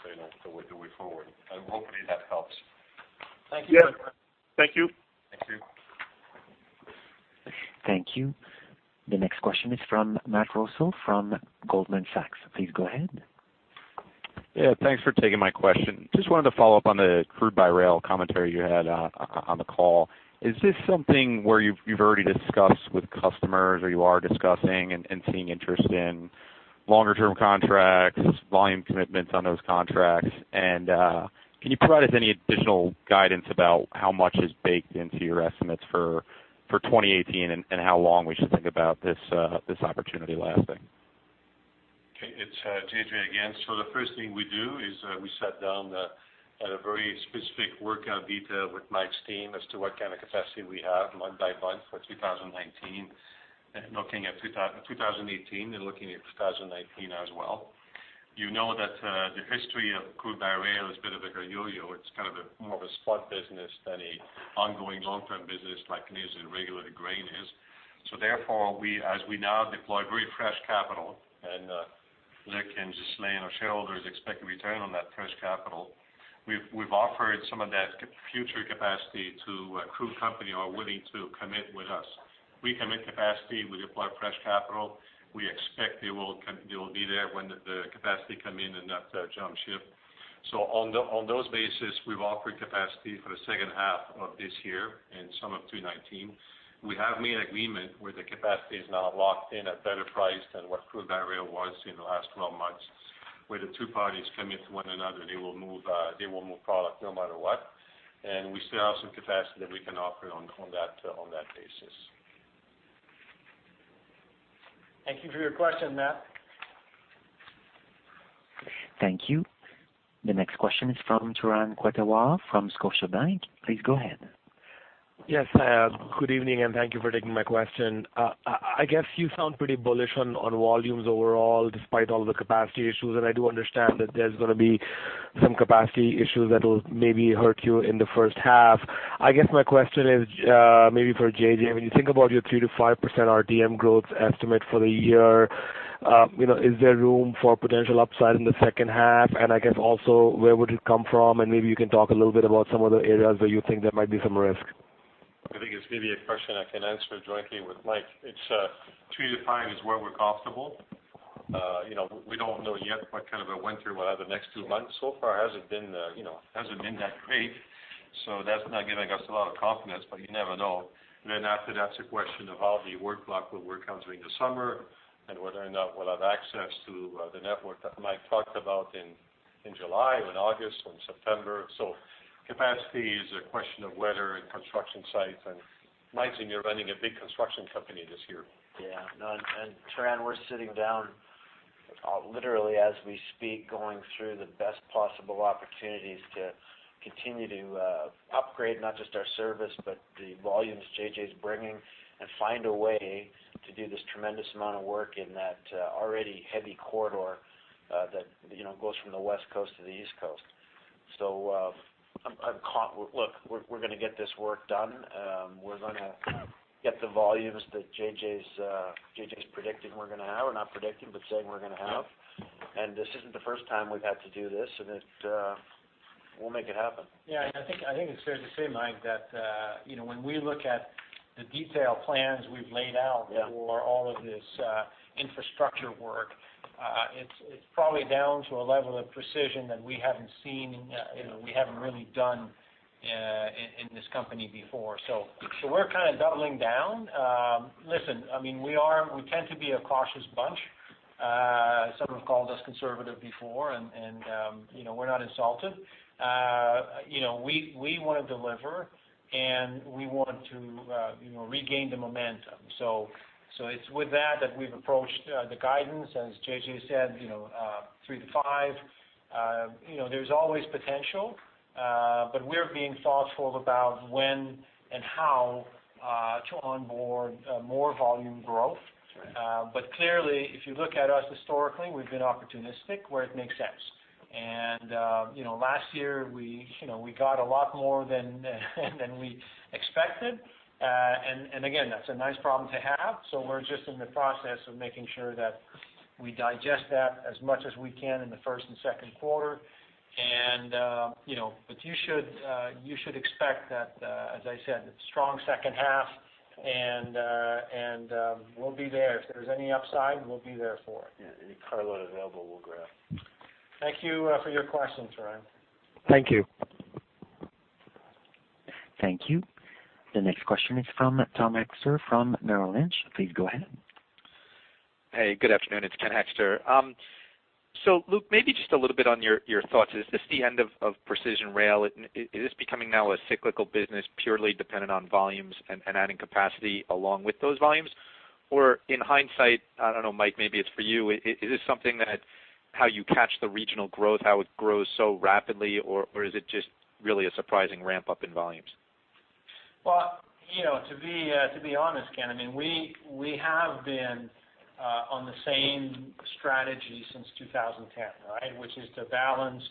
[SPEAKER 5] the way forward, and hopefully that helps.
[SPEAKER 10] Thank you.
[SPEAKER 5] Yes, thank you.
[SPEAKER 3] Thank you.
[SPEAKER 1] Thank you. The next question is from Matt Ross from Goldman Sachs. Please go ahead.
[SPEAKER 11] Yeah, thanks for taking my question. Just wanted to follow up on the crude by rail commentary you had on the call. Is this something where you've already discussed with customers, or you are discussing and seeing interest in longer term contracts, volume commitments on those contracts? And, can you provide us any additional guidance about how much is baked into your estimates for 2018, and how long we should think about this opportunity lasting?
[SPEAKER 5] Okay, it's JJ again. So the first thing we do is we sat down at a very specific workout detail with Mike's team as to what kind of capacity we have month by month for 2019. Looking at 2018 and looking at 2019 as well. You know that the history of crude by rail is a bit of a yo-yo. It's kind of a more of a spot business than an ongoing long-term business like usually regulated grain is. So therefore, we, as we now deploy very fresh capital, and Mike and Ghislain, our shareholders, expect a return on that fresh capital. We've offered some of that future capacity to a crude company are willing to commit with us. We commit capacity, we deploy fresh capital. We expect they will be there when the capacity come in and not jump ship. So on those basis, we've offered capacity for the second half of this year and some of 2019. We have made agreement where the capacity is now locked in at better price than what crude by rail was in the last 12 months, where the two parties commit to one another, they will move product no matter what. And we still have some capacity that we can offer on that basis.
[SPEAKER 4] Thank you for your question, Matt.
[SPEAKER 1] Thank you. The next question is from Turan Quettawala, from Scotiabank. Please go ahead.
[SPEAKER 12] Yes, good evening, and thank you for taking my question. I guess you sound pretty bullish on volumes overall, despite all the capacity issues, and I do understand that there's gonna be some capacity issues that will maybe hurt you in the first half. I guess my question is, maybe for JJ, when you think about your 3%-5% RTM growth estimate for the year, you know, is there room for potential upside in the second half? And I guess also, where would it come from? And maybe you can talk a little bit about some of the areas where you think there might be some risk.
[SPEAKER 5] I think it's maybe a question I can answer directly with Mike. It's 3-5 is where we're comfortable. You know, we don't know yet what kind of a winter we'll have the next two months. So far, it hasn't been, you know, hasn't been that great, so that's not giving us a lot of confidence, but you never know. Then after, that's a question of how the work block will work out during the summer, and whether or not we'll have access to the network that Mike talked about in July, or in August, or in September. So capacity is a question of weather and construction sites, and Mike and you are running a big construction company this year.
[SPEAKER 4] Yeah. No, Turan, we're sitting down literally as we speak, going through the best possible opportunities to continue to upgrade not just our service, but the volumes JJ's bringing, and find a way to do this tremendous amount of work in that already heavy corridor that, you know, goes from the West Coast to the East Coast. So, look, we're gonna get this work done. We're gonna get the volumes that JJ's JJ's predicting we're gonna have, or not predicting, but saying we're gonna have. And this isn't the first time we've had to do this, and it... we'll make it happen.
[SPEAKER 5] Yeah, I think, I think it's fair to say, Mike, that, you know, when we look at the detailed plans we've laid out.
[SPEAKER 12] Yeah....
[SPEAKER 5] For all of this, infrastructure work, it's probably down to a level of precision that we haven't seen, you know, we haven't really done, in this company before. So, we're kind of doubling down. Listen, I mean, we tend to be a cautious bunch. Some have called us conservative before, and, you know, we're not insulted. You know, we wanna deliver, and we want to, you know, regain the momentum. So, it's with that that we've approached the guidance, as JJ said, you know, 3-5. You know, there's always potential, but we're being thoughtful about when and how to onboard more volume growth.
[SPEAKER 12] That's right.
[SPEAKER 5] But clearly, if you look at us historically, we've been opportunistic where it makes sense. And, you know, last year we, you know, we got a lot more than we expected. ... And again, that's a nice problem to have. So we're just in the process of making sure that we digest that as much as we can in the first and second quarter. And, you know, but you should expect that, as I said, strong second half, and we'll be there. If there's any upside, we'll be there for it.
[SPEAKER 12] Yeah, any carload available, we'll grab.
[SPEAKER 3] Thank you for your question, Turan.
[SPEAKER 12] Thank you.
[SPEAKER 1] Thank you. The next question is from Kenneth Hoexter from Bank of America Merrill Lynch. Please go ahead.
[SPEAKER 13] Hey, good afternoon, it's Kenneth Hoexter. So Luc, maybe just a little bit on your thoughts. Is this the end of precision rail? Is this becoming now a cyclical business, purely dependent on volumes and adding capacity along with those volumes? Or in hindsight, I don't know, Mike, maybe it's for you, is this something that how you catch the regional growth, how it grows so rapidly, or is it just really a surprising ramp-up in volumes?
[SPEAKER 3] Well, you know, to be honest, Ken, I mean, we have been on the same strategy since 2010, right? Which is to balance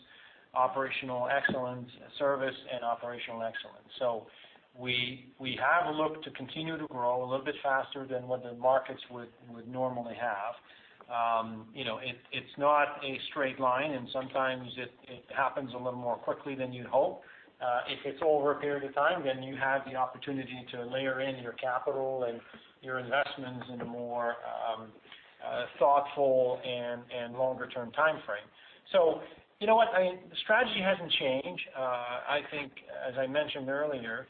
[SPEAKER 3] operational excellence, service and operational excellence. So we have looked to continue to grow a little bit faster than what the markets would normally have. You know, it's not a straight line, and sometimes it happens a little more quickly than you'd hope. If it's over a period of time, then you have the opportunity to layer in your capital and your investments in a more thoughtful and longer term timeframe. So you know what? I mean, the strategy hasn't changed. I think, as I mentioned earlier,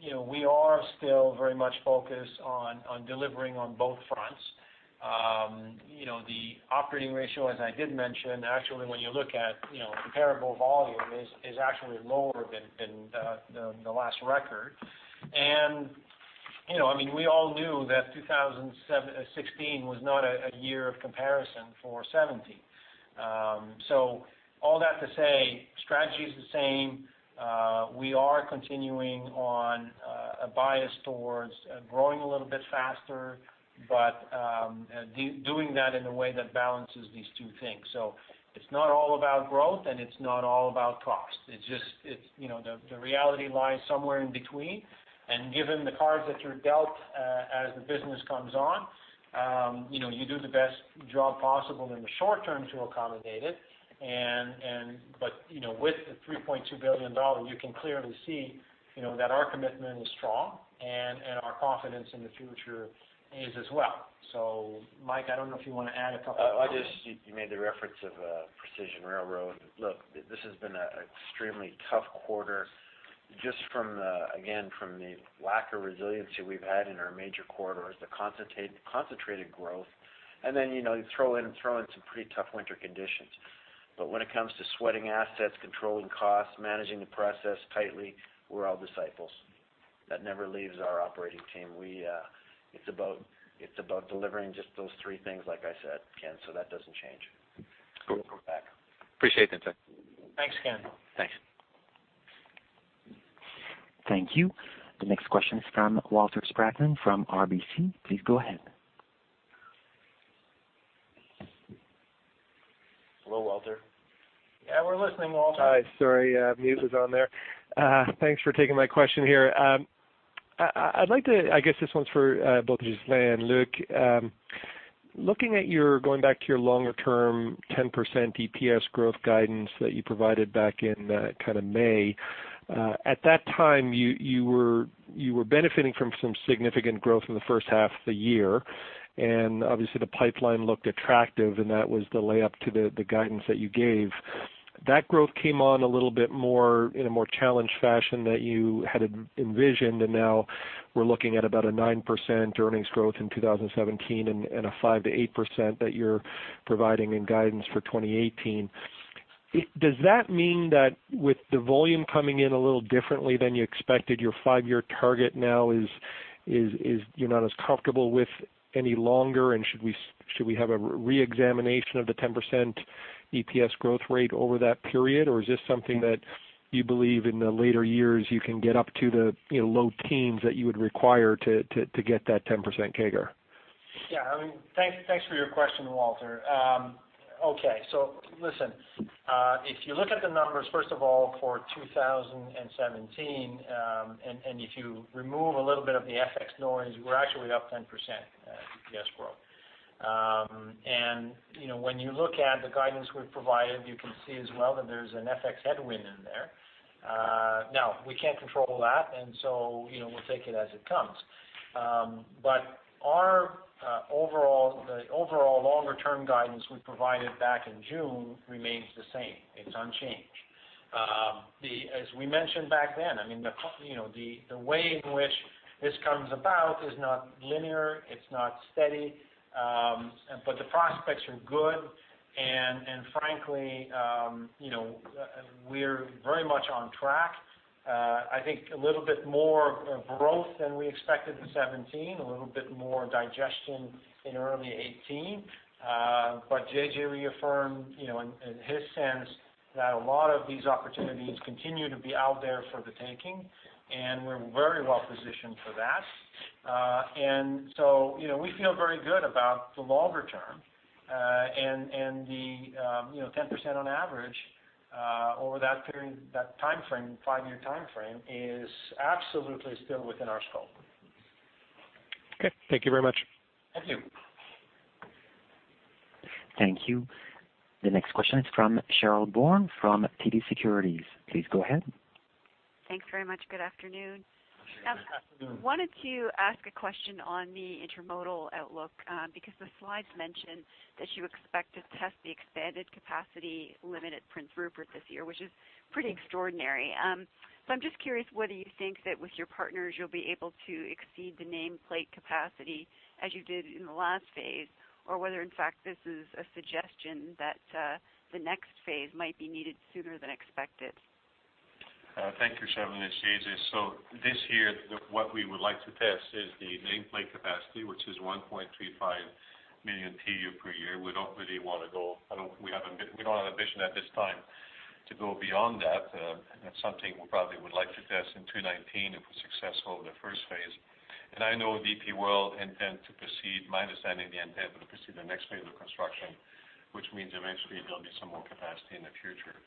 [SPEAKER 3] you know, we are still very much focused on delivering on both fronts. You know, the operating ratio, as I did mention, actually, when you look at, you know, comparable volume, is actually lower than than the last record. And, you know, I mean, we all knew that 2016 was not a year of comparison for 2017. So all that to say, strategy is the same. We are continuing on a bias towards growing a little bit faster, but doing that in a way that balances these two things. So it's not all about growth, and it's not all about cost. It's just, it's, you know, the reality lies somewhere in between. And given the cards that you're dealt, as the business comes on, you know, you do the best job possible in the short term to accommodate it. But you know, with the $3.2 billion, you can clearly see, you know, that our commitment is strong and our confidence in the future is as well. So Mike, I don't know if you wanna add a couple of things.
[SPEAKER 4] I just, you, you made the reference of precision railroad. Look, this has been a, an extremely tough quarter, just from the, again, from the lack of resiliency we've had in our major corridors, the concentrated growth. And then, you know, you throw in, throw in some pretty tough winter conditions. But when it comes to sweating assets, controlling costs, managing the process tightly, we're all disciples. That never leaves our operating team. We, it's about, it's about delivering just those three things, like I said, Ken, so that doesn't change.
[SPEAKER 13] Cool.
[SPEAKER 4] We're back.
[SPEAKER 13] Appreciate it.
[SPEAKER 3] Thanks, Ken.
[SPEAKER 13] Thanks.
[SPEAKER 1] Thank you. The next question is from Walter Spracklin from RBC. Please go ahead.
[SPEAKER 4] Hello, Walter.
[SPEAKER 3] Yeah, we're listening, Walter.
[SPEAKER 14] Hi. Sorry, mute was on there. Thanks for taking my question here. I'd like to... I guess this one's for both Ghislain and Luc. Looking at your-- going back to your longer term, 10% EPS growth guidance that you provided back in kind of May. At that time, you were benefiting from some significant growth in the first half of the year, and obviously, the pipeline looked attractive, and that was the lay up to the guidance that you gave. That growth came on a little bit more in a more challenged fashion than you had envisioned, and now we're looking at about a 9% earnings growth in 2017, and a 5%-8% that you're providing in guidance for 2018. Does that mean that with the volume coming in a little differently than you expected, your five-year target now is, you're not as comfortable with it any longer? And should we have a re-examination of the 10% EPS growth rate over that period, or is this something that you believe in the later years you can get up to the, you know, low teens that you would require to get that 10% CAGR?
[SPEAKER 3] Yeah. I mean, thanks, thanks for your question, Walter. Okay, so listen, if you look at the numbers, first of all, for 2017, and if you remove a little bit of the FX noise, we're actually up 10%, EPS growth. And, you know, when you look at the guidance we've provided, you can see as well that there's an FX headwind in there. Now, we can't control that, and so, you know, we'll take it as it comes. But our, overall, the overall longer-term guidance we provided back in June remains the same. It's unchanged. The, as we mentioned back then, I mean, the, you know, the, the way in which this comes about is not linear, it's not steady, but the prospects are good. Frankly, you know, we're very much on track. I think a little bit more of growth than we expected in 2017, a little bit more digestion in early 2018. But JJ reaffirmed, you know, in his sense, that a lot of these opportunities continue to be out there for the taking, and we're very well positioned.... And so, you know, we feel very good about the longer term, and the, you know, 10% on average, over that period, that timeframe, five-year timeframe, is absolutely still within our scope.
[SPEAKER 14] Okay, thank you very much.
[SPEAKER 3] Thank you.
[SPEAKER 1] Thank you. The next question is from Cherilyn Radbourne from TD Securities. Please go ahead.
[SPEAKER 15] Thanks very much. Good afternoon.
[SPEAKER 6] Good afternoon.
[SPEAKER 15] Wanted to ask a question on the intermodal outlook, because the slides mention that you expect to test the expanded capacity limit at Prince Rupert this year, which is pretty extraordinary. So I'm just curious, whether you think that with your partners, you'll be able to exceed the nameplate capacity as you did in the last phase, or whether, in fact, this is a suggestion that, the next phase might be needed sooner than expected?
[SPEAKER 5] Thank you, Cheryl, it's JJ. So this year, what we would like to test is the nameplate capacity, which is 1.35 million TEU per year. We don't really want to go, I don't, we don't have ambition at this time to go beyond that. That's something we probably would like to test in 2019, if we're successful in the first phase. And I know DP World intend to proceed. My understanding, they intend to proceed the next phase of construction, which means eventually there'll be some more capacity in the future.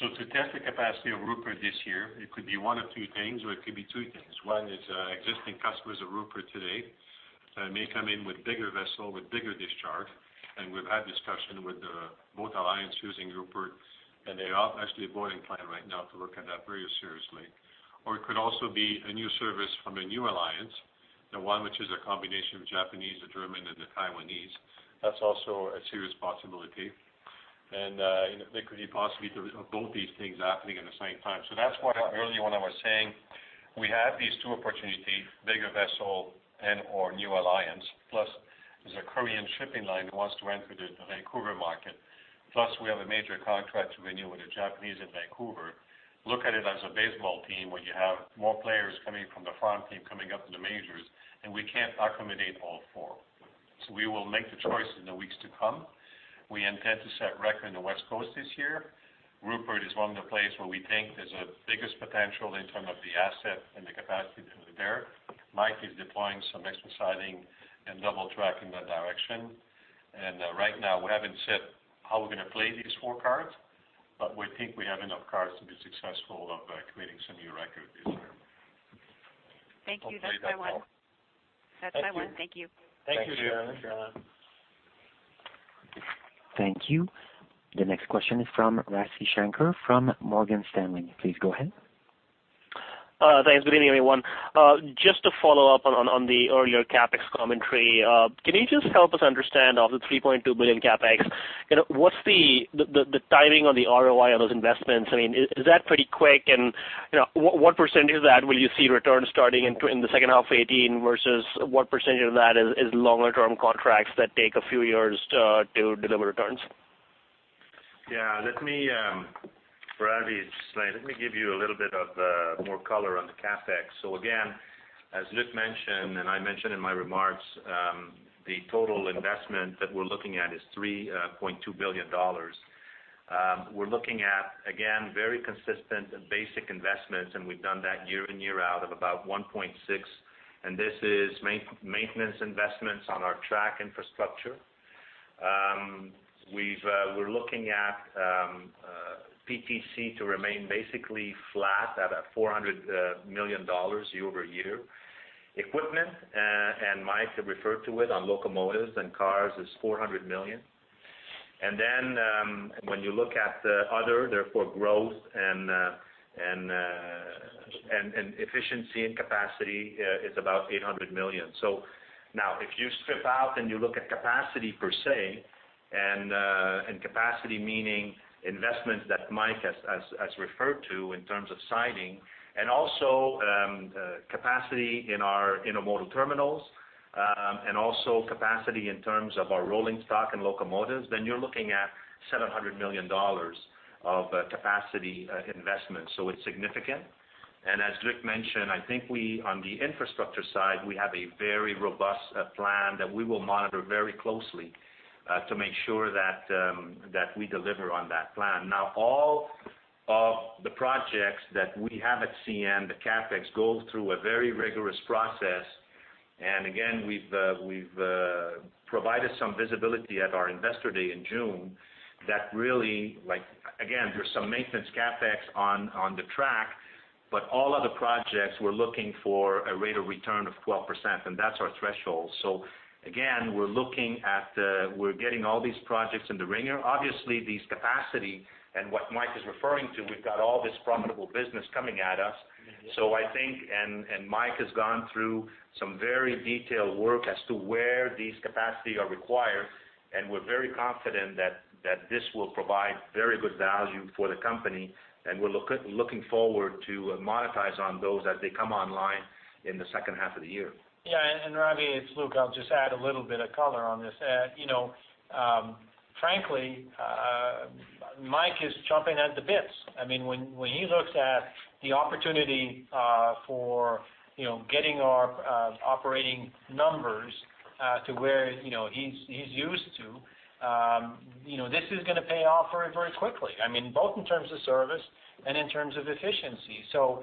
[SPEAKER 5] So to test the capacity of Rupert this year, it could be one of two things, or it could be two things. One is, existing customers of Rupert today may come in with bigger vessel, with bigger discharge, and we've had discussion with both alliances using Rupert, and they are actually berthing plan right now to look at that very seriously. Or it could also be a new service from a new alliance, the one which is a combination of Japanese, the German, and the Taiwanese. That's also a serious possibility. And, you know, there could be possibility of both these things happening at the same time. So that's why earlier when I was saying, we have these two opportunities, bigger vessel and/or new alliance, plus there's a Korean shipping line who wants to enter the Vancouver market, plus we have a major contract to renew with the Japanese at Vancouver. Look at it as a baseball team, where you have more players coming from the farm team, coming up in the majors, and we can't accommodate all four. So we will make the choice in the weeks to come. We intend to set record in the West Coast this year. Prince Rupert is one of the places where we think there's the biggest potential in terms of the asset and the capacity to there. Mike is deploying some extra siding and double track in that direction. And right now, we haven't said how we're gonna play these four cards, but we think we have enough cards to be successful of creating some new record this year.
[SPEAKER 15] Thank you. That's my one.
[SPEAKER 5] Hopefully that helps.
[SPEAKER 15] That's my one.
[SPEAKER 5] Thank you.
[SPEAKER 15] Thank you.
[SPEAKER 5] Thank you, Cherilyn.
[SPEAKER 1] Thank you. The next question is from Ravi Shanker from Morgan Stanley. Please go ahead.
[SPEAKER 16] Thanks. Good evening, everyone. Just to follow up on the earlier CapEx commentary. Can you just help us understand, of the $3.2 billion CapEx, you know, what's the timing on the ROI on those investments? I mean, is that pretty quick? And, you know, what percentage of that will you see returns starting in the second half of 2018, versus what percentage of that is longer term contracts that take a few years to deliver returns?
[SPEAKER 6] Yeah, let me, Ravi, it's just, let me give you a little bit of more color on the CapEx. So again, as Luc mentioned, and I mentioned in my remarks, the total investment that we're looking at is $3.2 billion. We're looking at, again, very consistent and basic investments, and we've done that year in, year out of about $1.6 billion, and this is maintenance investments on our track infrastructure. We're looking at PTC to remain basically flat at $400 million year-over-year. Equipment, and Mike have referred to it, on locomotives and cars is $400 million. And then, when you look at the other, therefore, growth and efficiency and capacity, it's about $800 million. So now, if you strip out and you look at capacity per se, and capacity, meaning investments that Mike has referred to in terms of siding, and also capacity in our intermodal terminals, and also capacity in terms of our rolling stock and locomotives, then you're looking at $700 million of capacity investment. So it's significant. And as Luc mentioned, I think we, on the infrastructure side, we have a very robust plan that we will monitor very closely to make sure that we deliver on that plan. Now, all of the projects that we have at CN, the CapEx, go through a very rigorous process. And again, we've provided some visibility at our Investor Day in June, that really like—again, there's some maintenance CapEx on the track, but all other projects, we're looking for a rate of return of 12%, and that's our threshold. So again, we're looking at, we're getting all these projects in the ringer. Obviously, these capacity and what Mike is referring to, we've got all this profitable business coming at us. So I think, and, and Mike has gone through some very detailed work as to where these capacity are required, and we're very confident that, that this will provide very good value for the company, and we're looking forward to monetize on those as they come online in the second half of the year.
[SPEAKER 3] Yeah, and Ravi, it's Luc. I'll just add a little bit of color on this. You know, frankly,... Mike is chomping at the bits. I mean, when he looks at the opportunity, for you know getting our operating numbers to where you know he's used to, you know this is gonna pay off very very quickly. I mean, both in terms of service and in terms of efficiency. So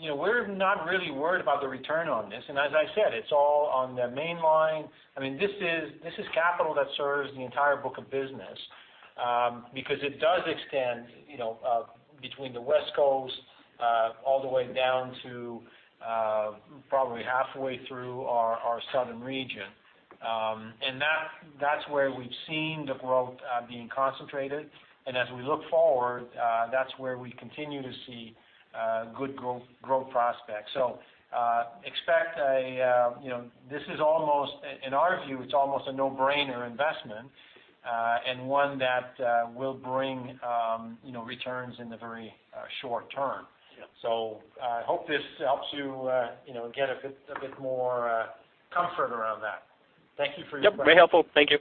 [SPEAKER 3] you know we're not really worried about the return on this, and as I said, it's all on the mainline. I mean, this is capital that serves the entire book of business, because it does extend you know between the West Coast all the way down to probably halfway through our southern region. And that that's where we've seen the growth being concentrated. And as we look forward that's where we continue to see good growth prospects. So, expect a, you know, this is almost, in our view, it's almost a no-brainer investment, and one that will bring, you know, returns in the very short term.
[SPEAKER 16] Yeah.
[SPEAKER 3] So I hope this helps you, you know, get a bit, a bit more comfort around that. Thank you for your question.
[SPEAKER 16] Yep, very helpful. Thank you.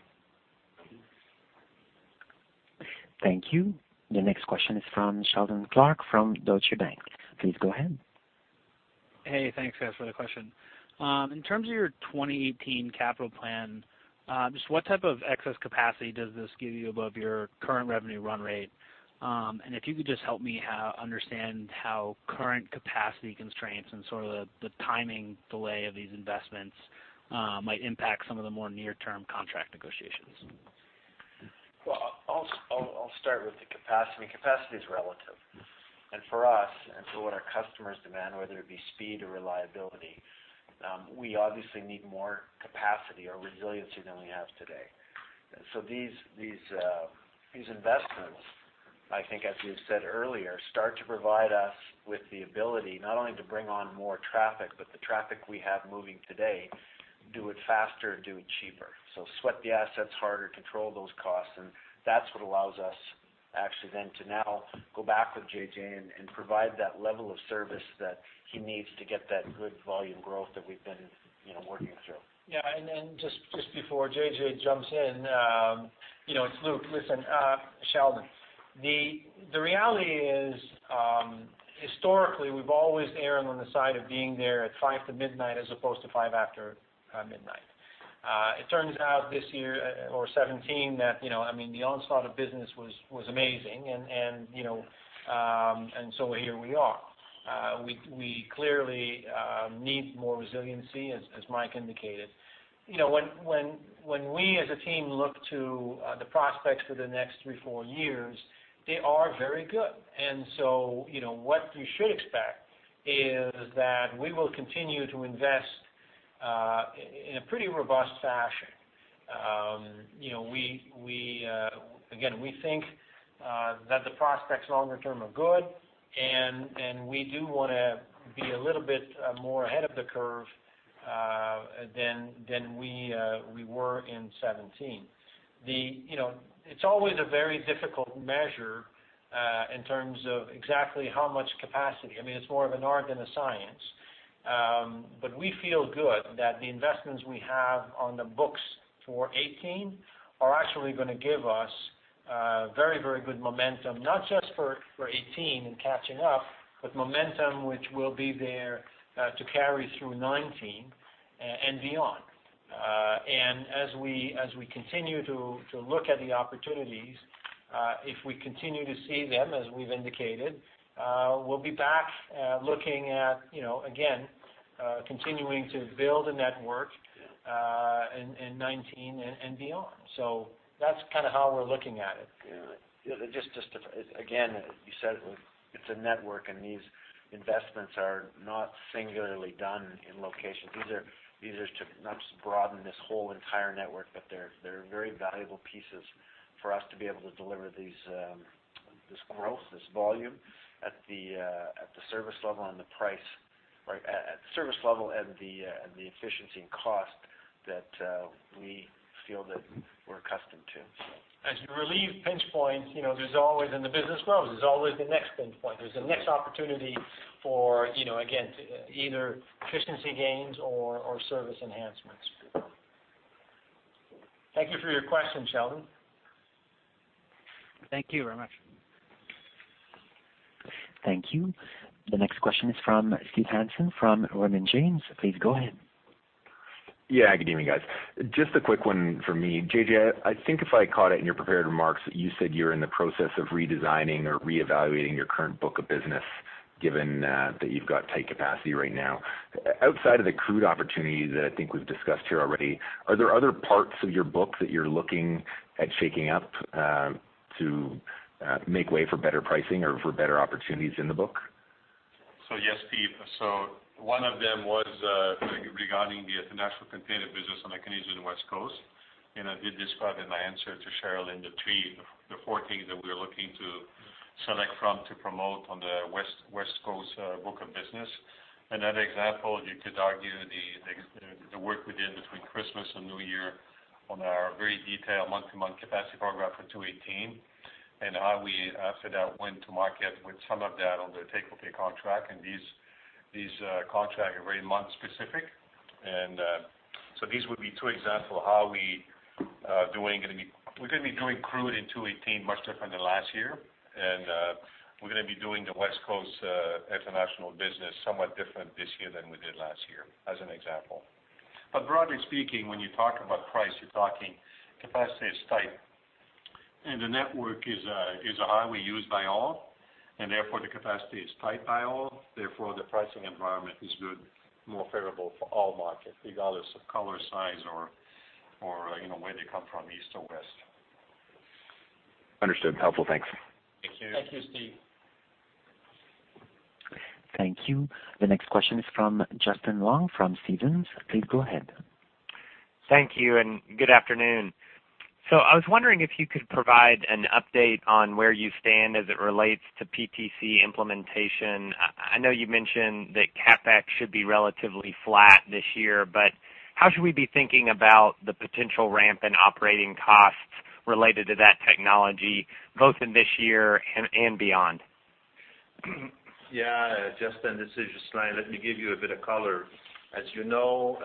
[SPEAKER 1] Thank you. The next question is from Seldon Clarke from Deutsche Bank. Please go ahead.
[SPEAKER 17] Hey, thanks, guys, for the question. In terms of your 2018 capital plan, just what type of excess capacity does this give you above your current revenue run rate? And if you could just help me understand how current capacity constraints and sort of the timing delay of these investments might impact some of the more near-term contract negotiations?
[SPEAKER 4] Well, I'll start with the capacity. Capacity is relative. For us, and for what our customers demand, whether it be speed or reliability, we obviously need more capacity or resiliency than we have today. So these investments, I think as you said earlier, start to provide us with the ability not only to bring on more traffic, but the traffic we have moving today, do it faster and do it cheaper. So sweat the assets harder, control those costs, and that's what allows us actually then to now go back with JJ and provide that level of service that he needs to get that good volume growth that we've been, you know, working through.
[SPEAKER 3] Yeah, and then just before JJ jumps in, you know, it's Luc. Listen, Seldon, the reality is, historically, we've always erring on the side of being there at five to midnight, as opposed to five after midnight. It turns out this year, or 2017, that, you know, I mean, the onslaught of business was amazing and, you know, and so here we are. We clearly need more resiliency, as Mike indicated. You know, when we as a team look to the prospects for the next three, four years, they are very good. And so, you know, what you should expect is that we will continue to invest in a pretty robust fashion. You know, we, we again, we think that the prospects longer term are good, and, and we do wanna be a little bit more ahead of the curve than, than we, we were in 2017. You know, it's always a very difficult measure in terms of exactly how much capacity. I mean, it's more of an art than a science. But we feel good that the investments we have on the books for 2018 are actually gonna give us very, very good momentum, not just for 2018 and catching up, but momentum, which will be there to carry through 2019 and beyond. And as we continue to look at the opportunities, if we continue to see them as we've indicated, we'll be back looking at, you know, again, continuing to build a network in 2019 and beyond. So that's kind of how we're looking at it.
[SPEAKER 4] Yeah. Just to, again, you said it, it's a network, and these investments are not singularly done in locations. These are to not just broaden this whole entire network, but they're very valuable pieces for us to be able to deliver these, this growth, this volume at the, at the service level and the price, or at, at service level and the, and the efficiency and cost that, we feel that we're accustomed to.
[SPEAKER 5] As you relieve pinch points, you know, there's always... and the business grows, there's always the next pinch point. There's the next opportunity for, you know, again, to either efficiency gains or service enhancements.
[SPEAKER 3] Thank you for your question, Seldon.
[SPEAKER 17] Thank you very much.
[SPEAKER 1] Thank you. The next question is from Steve Hansen from Raymond James. Please go ahead.
[SPEAKER 18] Yeah, good evening, guys. Just a quick one for me. JJ, I think if I caught it in your prepared remarks, you said you're in the process of redesigning or reevaluating your current book of business, given that you've got tight capacity right now. Outside of the crude opportunity that I think we've discussed here already, are there other parts of your book that you're looking at shaking up, to make way for better pricing or for better opportunities in the book?
[SPEAKER 5] So yes, Steve. So one of them was regarding the international container business on the Canadian West Coast, and I did describe in my answer to Cherilyn, the three, the four things that we're looking to select from to promote on the West, West Coast, book of business. Another example, you could argue the, the, the work we did between Christmas and New Year on our very detailed month-to-month capacity program for 2018, and how we, after that, went to market with some of that on the take-or-pay contract, and these-... These contracts are very month specific. And so these would be two examples of how we're gonna be doing crude in 2018 much different than last year. And we're gonna be doing the West Coast international business somewhat different this year than we did last year, as an example. But broadly speaking, when you talk about price, you're talking, capacity is tight, and the network is a highway used by all, and therefore, the capacity is tight by all. Therefore, the pricing environment is good, more favorable for all markets, regardless of color, size, or, you know, where they come from, east or west.
[SPEAKER 18] Understood. Helpful. Thanks.
[SPEAKER 3] Thank you.
[SPEAKER 5] Thank you, Steve.
[SPEAKER 1] Thank you. The next question is from Justin Long from Stephens. Please go ahead.
[SPEAKER 19] Thank you, and good afternoon. So I was wondering if you could provide an update on where you stand as it relates to PTC implementation. I know you mentioned that CapEx should be relatively flat this year, but how should we be thinking about the potential ramp in operating costs related to that technology, both in this year and beyond?
[SPEAKER 6] Yeah, Justin, this is Ghislain. Let me give you a bit of color. As you know,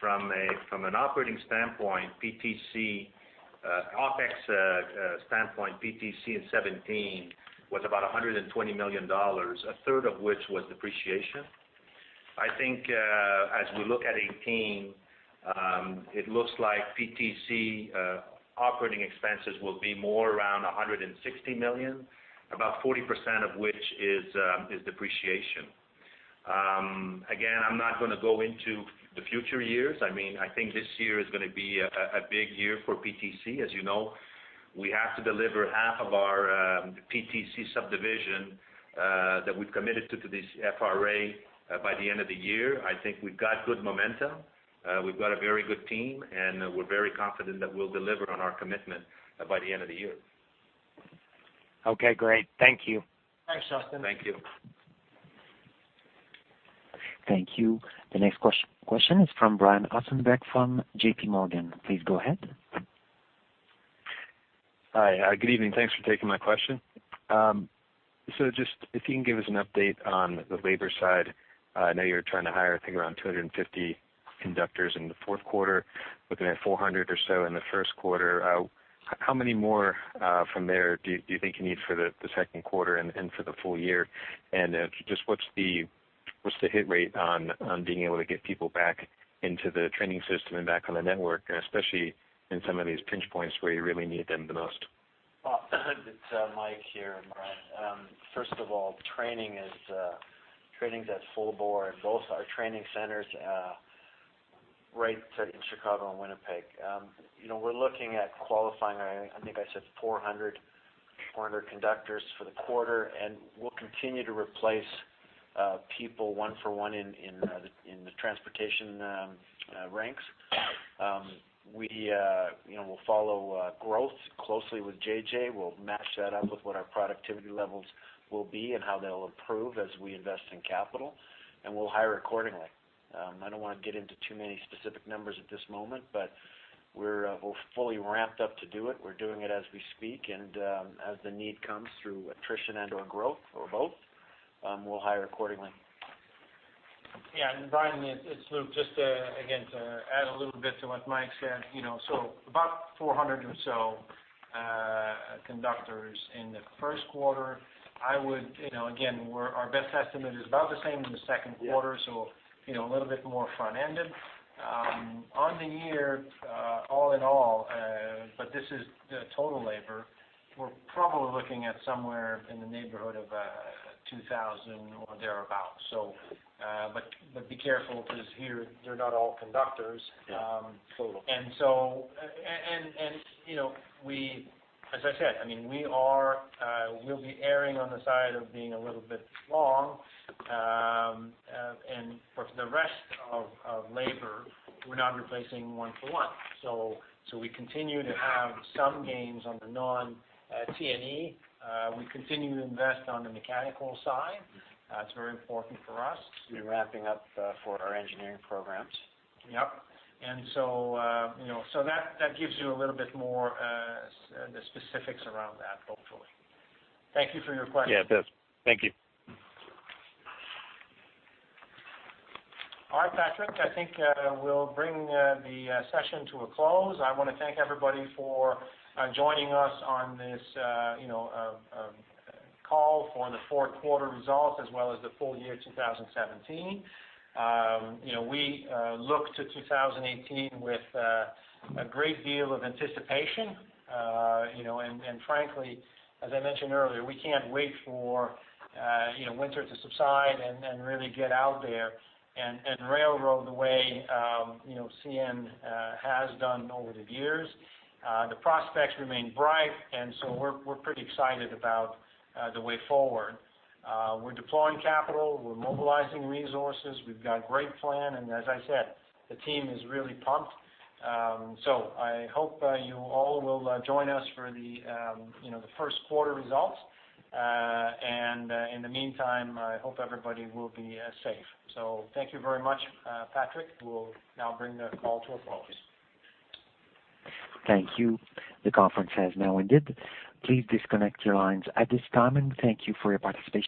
[SPEAKER 6] from an operating standpoint, PTC, OpEx, standpoint, PTC in 2017 was about $120 million, 1 /3 of which was depreciation. I think, as we look at 2018, it looks like PTC operating expenses will be more around $160 million, about 40% of which is depreciation. Again, I'm not gonna go into the future years. I mean, I think this year is gonna be a big year for PTC. As you know, we have to deliver half of our PTC subdivision that we've committed to this FRA by the end of the year. I think we've got good momentum. We've got a very good team, and we're very confident that we'll deliver on our commitment by the end of the year.
[SPEAKER 19] Okay, great. Thank you.
[SPEAKER 6] Thanks, Justin.
[SPEAKER 3] Thank you.
[SPEAKER 1] Thank you. The next question is from Brian Ossenbeck from JPMorgan. Please go ahead.
[SPEAKER 20] Hi, good evening. Thanks for taking my question. So just if you can give us an update on the labor side. I know you're trying to hire, I think, around 250 conductors in the fourth quarter, looking at 400 or so in the first quarter. How many more, from there do you think you need for the second quarter and for the full year? And, just what's the hit rate on being able to get people back into the training system and back on the network, especially in some of these pinch points where you really need them the most?
[SPEAKER 4] Well, it's Mike here, Brian. First of all, training is training's at full bore, and both our training centers right in Chicago and Winnipeg. You know, we're looking at qualifying, I, I think I said 400, 400 conductors for the quarter, and we'll continue to replace people one for one in the transportation ranks. You know, we'll follow growth closely with JJ. We'll match that up with what our productivity levels will be and how they'll improve as we invest in capital, and we'll hire accordingly. I don't wanna get into too many specific numbers at this moment, but we're fully ramped up to do it. We're doing it as we speak, and as the need comes through attrition and/or growth or both, we'll hire accordingly.
[SPEAKER 3] Yeah, and Brian, it's Luc. Just to, again, to add a little bit to what Mike said, you know, so about 400 or so conductors in the first quarter. I would... You know, again, we're— our best estimate is about the same in the second quarter-
[SPEAKER 20] Yeah.
[SPEAKER 3] So, you know, a little bit more front-ended. On the year, all in all, but this is the total labor, we're probably looking at somewhere in the neighborhood of 2,000 or thereabout. So, but be careful, because here, they're not all conductors.
[SPEAKER 4] Yeah, total.
[SPEAKER 3] And so, you know, we, as I said, I mean, we are, we'll be erring on the side of being a little bit long. And for the rest of labor, we're not replacing one to one. So we continue to have some gains on the non, T&E. We continue to invest on the mechanical side. It's very important for us.
[SPEAKER 4] We're wrapping up for our engineering programs.
[SPEAKER 3] Yep. And so, you know, so that gives you a little bit more, the specifics around that, hopefully. Thank you for your question.
[SPEAKER 20] Yeah, it does. Thank you.
[SPEAKER 3] All right, Patrick, I think we'll bring the session to a close. I wanna thank everybody for joining us on this, you know, call for the fourth quarter results, as well as the full year, 2017. You know, we look to 2018 with a great deal of anticipation. You know, and frankly, as I mentioned earlier, we can't wait for you know, winter to subside and really get out there and railroad the way you know, CN has done over the years. The prospects remain bright, and so we're pretty excited about the way forward. We're deploying capital. We're mobilizing resources. We've got a great plan, and as I said, the team is really pumped. I hope you all will join us for, you know, the first quarter results. In the meantime, I hope everybody will be safe. Thank you very much, Patrick. We'll now bring the call to a close.
[SPEAKER 1] Thank you. The conference has now ended. Please disconnect your lines at this time, and thank you for your participation.